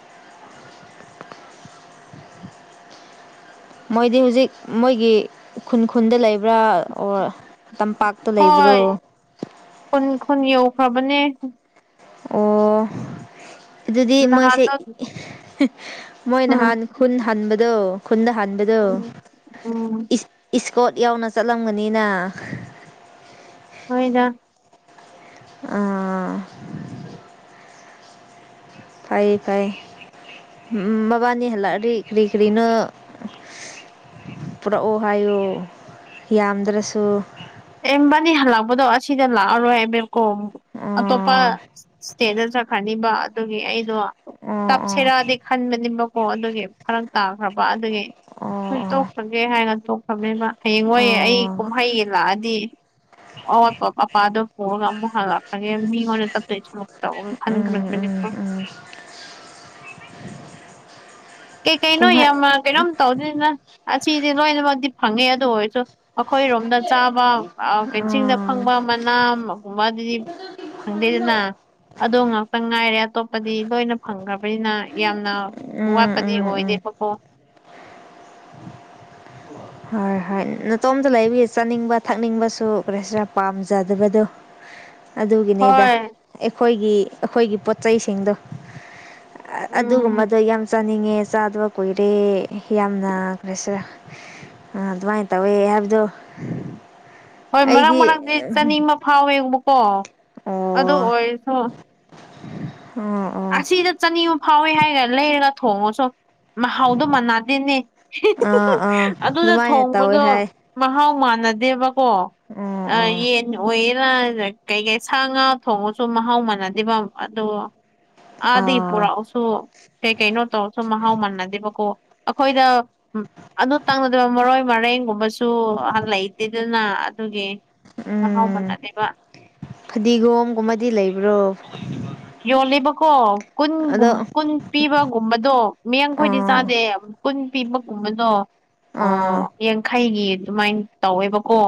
ꯃꯣꯏꯗꯤ ꯍꯧꯖꯤꯛ ꯃꯣꯏꯒꯤ ꯈꯨꯟ ꯈꯨꯟꯗ ꯂꯩꯕ꯭ꯔꯥ ꯑꯣꯔ ꯇꯝꯄꯥꯛꯇ ꯍꯣꯏ ꯂꯩꯕ꯭ꯔꯣ ꯈꯨꯟ ꯈꯨꯟ ꯌꯧꯈ꯭ꯔꯕꯅꯦ ꯑꯣ ꯑꯗꯨꯗꯤ ꯃꯣꯏꯁꯦ ꯅꯍꯥꯟꯗꯣ ꯃꯣꯏ ꯎꯝ ꯅꯍꯥꯟ ꯈꯨꯟ ꯍꯟꯕꯗꯣ ꯈꯄ ꯍꯟꯕꯗꯣ ꯎꯝ ꯏꯁꯀꯣꯔꯠ ꯌꯥꯎꯅ ꯆꯠꯂꯝꯒꯅꯤꯅ ꯍꯣꯏꯗ ꯑꯥ ꯐꯩ ꯐꯩ ꯃꯕꯥꯅꯤ ꯍꯜꯂꯛꯑꯗꯤ ꯀꯔꯤ ꯀꯔꯤꯅꯣ ꯄꯨꯔꯛꯑꯣ ꯍꯥꯏꯌꯣ ꯌꯥꯝꯗ꯭ꯔꯁꯨ ꯃꯕꯥꯅꯤ ꯍꯜꯂꯛꯄꯗꯣ ꯑꯁꯤꯗ ꯂꯥꯛꯑꯔꯣꯏ ꯍꯥꯏꯕꯀꯣ ꯑꯇꯣꯞꯄ ꯑꯣ ꯏꯁꯇꯦꯠꯇ ꯆꯠꯈ꯭ꯔꯅꯤꯕ ꯑꯗꯨꯒꯤ ꯑꯩꯗꯣ ꯑꯣ ꯑꯣ ꯇꯞꯁꯤꯔꯗꯤ ꯈꯟꯕꯅꯤꯕꯀꯣ ꯑꯗꯨꯒꯤ ꯐꯔꯛ ꯇꯥꯈ꯭ꯔꯕ ꯑꯗꯨꯒꯤ ꯑꯣ ꯍꯣꯏ ꯑꯣ ꯇꯣꯛꯈꯒꯦ ꯍꯥꯏꯅ ꯇꯣꯛꯈꯅꯦꯕ ꯍꯌꯦꯡ ꯍꯣꯏ ꯑꯩ ꯑꯣ ꯀꯨꯝꯍꯩꯒꯤ ꯂꯥꯛꯑꯗꯤ ꯑꯋꯥꯠꯄ ꯑꯄꯥꯗꯣ ꯄꯨꯔꯒ ꯑꯃꯨꯛ ꯍꯜꯂꯛꯄꯒꯦ ꯃꯤꯉꯣꯟꯗ ꯇꯞꯇꯩ ꯁꯔꯨꯛ ꯇꯧꯔꯒ ꯎꯝ ꯎꯝ ꯈꯟꯈ꯭ꯔꯕꯅꯦꯀꯣ (inaudible) (inaudible) ꯀꯩ ꯀꯩꯩꯅꯣ ꯀꯨꯝꯍꯩ ꯌꯥꯝ ꯀꯩꯅꯣꯝ ꯇꯧꯗꯅꯤꯅ ꯑꯁꯤꯗꯤ ꯂꯣꯏꯅꯃꯛꯇꯤ ꯐꯪꯉꯦ ꯑꯗꯨ ꯑꯣꯏꯔꯁꯨ ꯑꯩꯈꯣꯏꯔꯣꯝꯗ ꯆꯥꯕ ꯆꯤꯡꯗ ꯎꯝ ꯐꯪꯕ ꯃꯅꯥꯒꯨꯝꯕ ꯑꯗꯨꯗꯤ ꯐꯪꯗꯦꯗꯅ ꯑꯗꯣ ꯉꯥꯛꯇ ꯉꯥꯏꯔꯦ ꯑꯇꯣꯞꯄꯗꯤ ꯂꯣꯏꯅ ꯐꯪꯈ꯭ꯔꯕꯅꯤꯅ ꯌꯥꯝꯅ ꯋꯥꯠꯄ ꯎꯝ ꯀꯗꯤ ꯎꯝ ꯎꯝ ꯑꯣꯏꯗꯦꯕꯀ ꯍꯣꯏ ꯍꯣꯏ ꯅꯇꯣꯝꯇ ꯂꯩꯕꯒꯤ ꯆꯥꯅꯤꯡꯕ ꯊꯛꯅꯤꯡꯕꯁꯨ ꯀꯔꯤ ꯍꯥꯏꯁꯤꯔ ꯄꯥꯝꯖꯗꯕꯗꯣ ꯑꯗꯨꯒꯤꯅꯤꯗ ꯍꯣꯏ ꯑꯩꯈꯣꯏꯒꯤ ꯑꯩꯈꯣꯏꯒꯤ ꯄꯣꯠꯁꯤꯡꯗꯣ ꯎꯝ ꯑꯗꯨꯒꯨꯝꯕꯗꯣ ꯌꯥꯝ ꯆꯥꯅꯤꯡꯉꯦ ꯆꯥꯗꯕ ꯀꯨꯏꯔꯦ ꯌꯥꯝꯅ ꯀꯁꯤꯔ ꯑꯗꯨꯃꯥꯏꯅ ꯇꯧꯋꯦ ꯍꯥꯏꯕꯗꯣ ꯍꯣꯏ ꯃꯔꯛ ꯑꯩꯗꯤ ꯃꯔꯪꯗꯤ ꯆꯅꯤ ꯑꯃ ꯐꯥꯎꯋꯦꯡꯕꯀꯣ ꯑꯗꯨ ꯑꯣ ꯑꯣꯏꯔꯁꯨ ꯑꯣ ꯑꯣ ꯑꯁꯤꯗ ꯆꯅꯤꯃ ꯐꯥꯎꯋꯦ ꯍꯥꯏꯒꯔ ꯂꯩꯔꯒ ꯊꯣꯡꯉꯁꯨ ꯃꯍꯥꯎꯗꯣ ꯃꯅꯥꯗꯦꯅꯦ ꯑꯥ ꯑꯥ ꯑꯗꯨꯗ ꯑꯗꯨꯃꯥꯏꯅ ꯇꯧꯋꯦ ꯊꯣꯡꯕꯗꯣ ꯍꯥꯏ ꯃꯍꯥꯎ ꯃꯥꯟꯅꯗꯦꯕꯀꯣ ꯑꯣ ꯑꯣ ꯌꯦꯟ ꯑꯣꯏꯌꯦꯔ ꯀꯩꯀꯩ ꯁꯥ ꯉꯥ ꯊꯣꯡꯉꯁꯨ ꯃꯍꯥꯎ ꯃꯥꯟꯅꯗꯦꯕ ꯑꯗꯨ (inaudible) ꯑꯗ ꯏ ꯑꯥ ꯄꯨ꯭ꯔꯥꯎꯁꯨꯣ ꯀꯩ ꯀꯩꯅꯣ ꯇꯧꯔꯁꯨ ꯃꯍꯥꯎ ꯃꯥꯟꯅꯗꯦꯕꯀꯣ ꯑꯩꯈꯣꯏꯗ ꯑꯗꯨ ꯇꯪꯅꯗꯕ ꯃꯔꯣꯏ ꯃꯔꯩ ꯍꯌꯦꯡꯒꯨꯝꯕꯁꯨ ꯂꯩꯇꯦꯗꯅ ꯑꯗꯨꯒꯤ ꯃꯍꯥꯎ ꯎꯝ ꯃꯟꯅꯗꯦꯕ ꯐꯗꯤꯒꯣꯝꯒꯨꯝꯕꯗꯤ ꯂꯩꯕ꯭ꯔꯣ ꯌꯣꯜꯂꯤꯦꯕꯀꯣ ꯀꯨꯟꯒꯨꯝ ꯑꯗꯣ ꯀꯨꯟ ꯄꯤꯕ ꯀꯨꯝꯕꯗꯣ ꯃꯤꯌꯦꯡꯈꯣꯏꯗꯤ ꯑꯥ ꯆꯥꯗꯦ ꯀꯨꯟ ꯄꯤꯕꯒꯨꯝꯕꯗꯣ ꯑꯣ ꯑꯥ ꯌꯥꯡꯈꯩꯒꯤ ꯑꯗꯨꯃꯥꯏꯅ ꯇꯧꯋꯦꯕꯀꯣ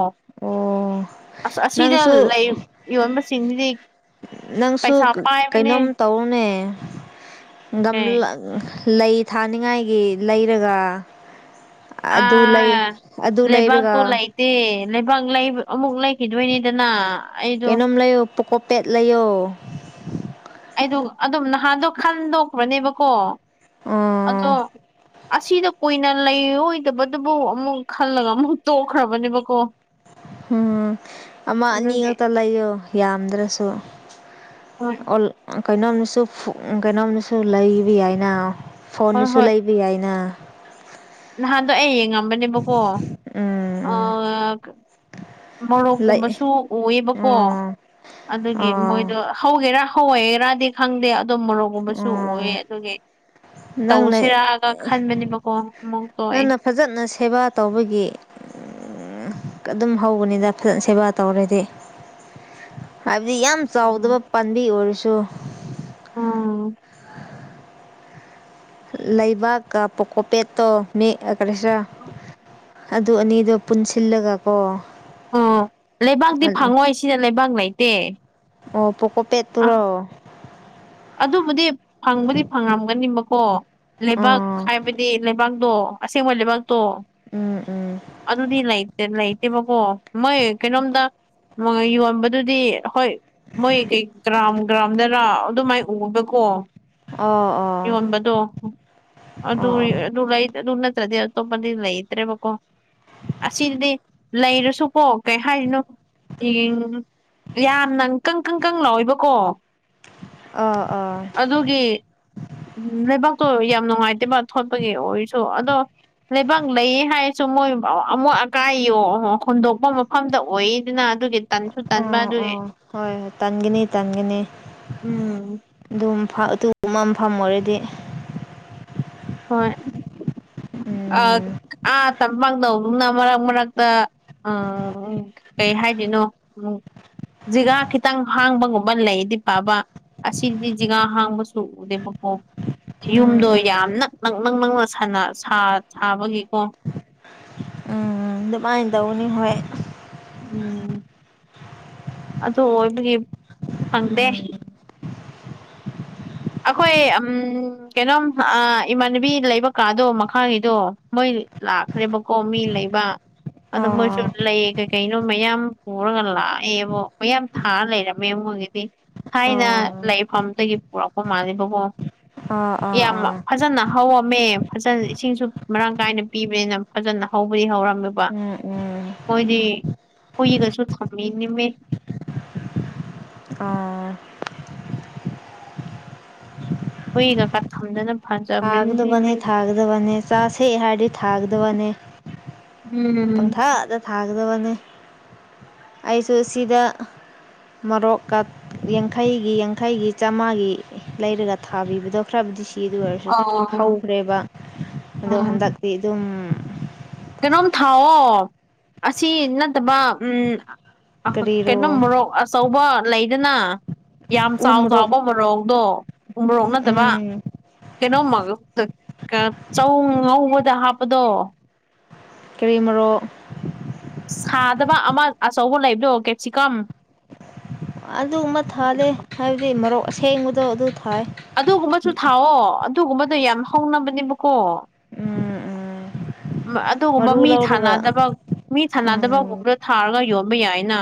ꯑꯣ ꯑꯁ ꯑꯁꯤꯅ ꯅꯪꯁꯨ ꯂꯩ ꯌꯣꯟꯕꯁꯤꯡꯁꯤꯗꯤ ꯅꯪꯁꯨ ꯄꯩꯁꯥ ꯄꯥꯏꯕꯅꯦ ꯀꯩꯅꯣꯝ ꯇꯧꯔꯨꯅꯦ ꯑꯦ ꯂꯩ ꯊꯥꯅꯤꯡꯉꯥꯏꯒꯤ ꯂꯩꯔꯒ ꯑ ꯑꯗꯨ ꯂꯩ ꯑꯗꯨ ꯂꯩꯕꯥꯛ ꯂꯩꯔꯒ ꯇꯣ ꯂꯩꯥꯏꯇ ꯂꯩꯕꯥꯛ ꯂꯩ ꯑꯃꯨꯛ ꯂꯩꯈꯤꯗꯣꯏꯅꯤꯗꯅ ꯑꯩꯗꯣ ꯀꯩꯅꯣꯝ ꯂꯩꯌꯣ ꯄꯣꯀꯣꯄꯦꯠ ꯂꯩꯌꯣ ꯑꯩꯗ ꯑꯗꯨꯝ ꯅꯍꯥꯟꯗꯣ ꯈꯟꯗꯣꯛꯄ꯭ꯔꯅꯦꯕꯀꯣ ꯑꯗꯣ ꯑꯣ ꯑꯁꯤꯗ ꯀꯨꯏꯅ ꯂꯩꯔꯣꯏꯗꯕꯗꯨꯕꯨ ꯑꯃꯨꯛ ꯈꯜꯂꯒ ꯑꯃꯨꯛ ꯇꯣꯛꯈ꯭ꯔꯕꯅꯦꯕꯀꯣ ꯍꯝ ꯑꯃ ꯑꯅꯤ ꯑꯗꯨꯒꯤ ꯉꯛꯇ ꯂꯩꯌꯣ ꯌꯥꯝꯗ꯭ꯔꯁꯨ ꯍꯣꯏ ꯀꯩꯅꯣꯝꯅꯁꯨ ꯀꯩꯅꯣꯝꯅꯁꯨ ꯂꯩꯕ ꯌꯥꯏꯅ ꯍꯣꯏ ꯐꯣꯟꯅꯁꯨ ꯍꯣꯏ ꯂꯩꯕ ꯌꯥꯏꯅ ꯅꯍꯥꯟꯗꯣ ꯑꯩ ꯌꯦꯡꯉꯝꯕꯅꯦꯕꯀꯣ ꯑ ꯎꯝ ꯎꯝ ꯂꯩ ꯃꯣꯔꯣꯛꯀꯨꯝꯕꯁꯨ ꯎꯑꯦꯕꯀꯣ ꯑꯣ ꯑꯗꯨꯒꯤ ꯑꯣ ꯃꯣꯏꯗꯣ ꯍꯧꯒꯦꯔꯥ ꯍꯏꯒꯔꯥꯗꯤ ꯈꯪꯗꯦ ꯑꯗꯨꯗꯝ ꯃꯣꯔꯣꯛꯒꯨꯝꯕꯁꯨ ꯎꯑ ꯑꯣ ꯑꯗꯨꯒꯤ ꯅꯪꯅ ꯇꯧꯁꯤꯔꯛꯑꯒ ꯈꯟꯕꯅꯦꯕꯀꯣ ꯑꯃꯨꯛ ꯇꯣꯛꯑꯦ ꯅꯪꯅ ꯐꯖꯅ ꯁꯦꯕꯥ ꯇꯧꯕꯒꯤ ꯑꯗꯨꯝ ꯍꯧꯕꯅꯤꯗ ꯐꯖꯅ ꯁꯦꯕꯥ ꯇꯧꯔꯗꯤ ꯍꯥꯏꯕꯗꯤ ꯌꯥꯝ ꯎꯝ ꯆꯥꯎꯗꯕ ꯄꯥꯝꯕꯤ ꯑꯣꯏꯔꯁꯨ ꯎꯝ ꯂꯩꯕꯥꯛꯀ ꯄꯀꯣꯄꯦꯠꯇꯣ ꯃꯦꯛꯑꯒ꯭ꯔꯦꯁꯔꯥ ꯑꯗꯨ ꯑꯅꯤꯗꯣ ꯄꯨꯟꯁꯤꯜꯂꯒ ꯀꯣ ꯑꯣ ꯂꯩꯕꯥꯛꯇꯤ ꯐꯪꯉꯣꯏ ꯁꯤꯗ ꯂꯩꯕꯥꯛ ꯂꯩꯇꯦ ꯑꯣ ꯄꯣꯛꯀꯣ ꯄꯦꯠ ꯑꯥ ꯇꯔꯣ ꯑꯗꯨꯕꯨꯗꯤ ꯐꯪꯕꯗꯤ ꯐꯪꯉꯝꯒꯅꯤꯕꯀꯣ ꯂꯩꯕꯥꯛ ꯑꯥ ꯍꯥꯏꯕꯗꯤ ꯂꯩꯕꯥꯛ ꯗꯣ ꯑꯁꯦꯡꯕ ꯂꯩꯕꯥꯛꯇꯣ ꯎꯝ ꯎꯝ ꯑꯗꯨꯗꯤ ꯂꯩꯇꯦ ꯂꯩꯇꯦ ꯅꯠꯇꯦꯕꯀꯣ ꯃꯣꯏ ꯀꯩꯅꯣꯝꯗ ꯌꯣꯟꯕꯗꯨꯗꯤ ꯍꯣꯏ ꯃꯣꯏꯩ ꯒ꯭ꯔꯥꯝ ꯒ꯭ꯔꯥꯝꯗꯅ ꯑꯗꯨꯃꯥꯏ ꯎꯕꯀꯣ ꯑꯣ ꯑꯣ ꯌꯣꯟꯕꯗꯣ ꯑꯗꯨ ꯑꯣ ꯁꯗꯤꯛꯇ ꯄꯗꯤ ꯂꯩ ꯏꯇꯔꯦꯕꯀꯣ ꯑꯁꯤꯗꯤ ꯂꯩꯔꯁꯨꯀꯣ ꯀꯩ ꯍꯥꯏꯔꯤꯅꯣꯡ ꯌꯥꯝꯅꯪꯀꯪꯀꯪ ꯀꯪ ꯂꯥꯛꯏꯕꯀꯣ ꯑ ꯑ ꯎꯝ ꯂꯩꯕꯥꯛꯇꯣ ꯌꯥꯝ ꯅꯨꯡꯉꯥꯏꯇꯦꯕ ꯊꯣꯠꯄꯒꯤ ꯑꯣꯏꯔꯁꯨ ꯑꯗꯣ ꯂꯩꯕꯥꯛ ꯂꯩ ꯍꯥꯏꯔꯁꯨ ꯃꯣꯏ ꯑꯃꯨꯛ ꯑꯀꯥꯏ ꯌꫭ ꯍꯨꯟꯗꯣꯛꯄ ꯃꯐꯝꯗ ꯑꯣꯏꯗꯅ ꯑꯗꯨꯒꯤ ꯇꯟꯁꯨ ꯇꯟꯥꯟꯕ ꯑꯣ ꯑꯗꯨꯒꯤ ꯑꯣ ꯍꯣꯏ ꯇꯟꯒꯅꯤ ꯇꯟꯒꯅꯤ ꯎꯝ ꯑꯗꯨꯝ ꯐ ꯑꯗꯨꯒꯨꯝꯕ ꯃꯐꯝ ꯑꯣꯏꯔꯗꯤ ꯍꯣꯏ ꯑ ꯎꯝ ꯑ ꯇꯝꯄꯛ ꯇꯧꯗꯨꯅ ꯃꯔꯛ ꯃꯔꯛꯇ ꯎꯝ ꯎꯝ ꯀꯩ ꯍꯥꯏꯗꯅꯣ ꯎꯝ ꯖꯤꯒ ꯈꯤꯇꯪ ꯍꯥꯡꯕꯒꯨꯝꯕ ꯂꯩꯗꯤ ꯐꯕ ꯑꯁꯤꯗꯤ ꯖꯤꯒ ꯍꯥꯡꯕꯁꯨ ꯎꯗꯦꯕꯀꯣ ꯎꯝ ꯌꯨꯝꯗꯣ ꯎꯝ ꯌꯥꯝꯅꯛ ꯅꯪ ꯅꯪ ꯅꯪꯅ ꯁꯥ ꯁꯥꯕꯒꯤꯀꯣ ꯎꯝ ꯑꯗꯨꯃꯥꯏꯅ ꯇꯧꯅꯤ ꯍꯣꯏ ꯎꯝ ꯑꯗꯨ ꯑꯣꯏꯕꯒꯤ ꯐꯪꯗꯦ ꯎꯝ (unintelligible) ꯑꯩꯈꯣꯏ ꯎꯝ ꯀꯩꯅꯣꯝ ꯏꯃꯥꯟꯅꯕꯤ ꯂꯩꯕꯀꯥꯗꯣ ꯃꯈꯥꯅꯤꯗꯣ ꯃꯣꯏ ꯂꯥꯛꯈ꯭ꯔꯦꯕꯀꯣ ꯃꯤ ꯂꯩꯕ ꯑꯗ ꯃꯣꯏꯁꯨ ꯑꯥ ꯂꯩ ꯀꯩ ꯀꯩꯅꯣ ꯃꯌꯥꯝ ꯄꯨꯔꯒ ꯂꯥꯛꯑꯦꯕꯣ ꯃꯌꯥꯝ ꯊꯥꯔ ꯂꯩꯔꯝꯃꯦ ꯃꯣꯏꯒꯤꯗꯤ ꯑꯥ ꯊꯥꯏꯅ ꯂꯩꯐꯝꯗꯒꯤ ꯄꯨꯔꯛꯄ ꯃꯥꯜꯂꯦꯕꯀꯣ ꯑꯥ ꯑꯥ ꯌꯥꯝ ꯑꯥ ꯐꯖꯅ ꯍꯧꯔꯝꯃꯦ ꯐꯖꯅ ꯏꯁꯤꯡꯁꯨ ꯃꯔꯥꯡ ꯀꯥꯏꯅ ꯄꯤꯕꯅꯤꯅ ꯐꯖꯅ ꯍꯧꯕꯗꯤ ꯍꯧꯔꯝꯃꯦꯕ ꯎꯝ ꯎꯝ ꯃꯣꯏꯗꯤ ꯀꯨꯏꯒꯁꯨ ꯊꯝꯃꯤꯅꯤꯃꯦ ꯑꯥ ꯍꯨꯏꯅꯛꯇ ꯊꯝꯗꯅꯕ ꯊꯥꯒꯗꯕꯅꯤ ꯊꯥꯒꯗꯕꯅꯤ ꯆꯥ ꯁꯦ ꯍꯥꯏꯔꯗꯤ ꯊꯥꯒꯗꯕꯅꯤ ꯎꯝ ꯑꯗꯨꯒꯅꯤ ꯑꯩꯁꯨ ꯁꯤꯗ ꯃꯔꯣꯛꯀ ꯌꯥꯡꯈꯩꯒꯤ ꯌꯥꯡꯈꯩꯒꯤ ꯆꯥꯝꯃꯉꯥꯒꯤ ꯂꯩꯔꯒ ꯊꯥꯕꯤꯕꯗꯣ ꯈ꯭ꯔꯕꯨꯗꯤ ꯁꯤ ꯑꯗꯨ ꯑꯣꯏꯔꯁꯨ ꯑꯣ ꯍꯧꯈ꯭ꯔꯦꯕ ꯑꯗꯣ ꯎꯝ ꯍꯟꯗꯛꯇꯤ ꯑꯗꯨꯝ ꯀꯩꯅꯣꯝ ꯊꯥꯎꯑꯣ ꯑꯁꯤ ꯅꯠꯇꯕ ꯎꯝ ꯀꯔꯤꯔꯣ ꯀꯩꯅꯣꯝ ꯃꯣꯔꯣꯛ ꯑꯆꯧꯕ ꯂꯩꯗꯅ ꯌꯥꯝ ꯎ ꯆꯥꯎ ꯃꯣꯔꯣꯛ ꯆꯥꯎꯕ ꯃꯣꯔꯣꯛꯗꯣ ꯎ ꯃꯣꯔꯣꯛ ꯅꯠꯇꯕ ꯎꯝ ꯀꯩꯅꯣꯝꯃ (unintelligible) ꯆꯧ ꯉꯧꯕꯗ ꯍꯥꯞꯄꯗꯣ ꯀ꯭ꯔꯤꯃꯔꯣꯛ ꯁꯥꯗꯕ ꯑꯃ ꯑꯆꯧꯕ ꯂꯩꯕ꯭ꯔꯣ ꯀꯦꯞꯁꯤꯀꯝ ꯑꯗꯨ ꯒꯨꯃ ꯊꯥꯗꯦ ꯍꯥꯏꯕꯗꯤ ꯃꯔꯣꯛ ꯑꯁꯦꯡꯕꯗꯣ ꯑꯗꯨ ꯊꯥꯏ ꯑꯗꯨꯒꯨꯝꯕꯁꯨ ꯊꯥꯎꯑꯣ ꯑꯗꯨꯒꯨꯝꯕꯗꯣ ꯌꯥꯝ ꯍꯧꯅꯕꯅꯦꯕꯀꯣ ꯎꯝ ꯎꯝ ꯑꯗꯨꯒꯨꯝꯕ ꯃꯔꯨ ꯃꯤ ꯂꯧꯔꯒ ꯊꯥꯅꯗꯕ ꯃꯤ ꯎꯝ ꯊꯥꯟꯅꯗꯕꯒꯨꯝꯕꯗ ꯊꯥꯔꯒ ꯌꯣꯜ ꯕ ꯌꯥꯏꯅ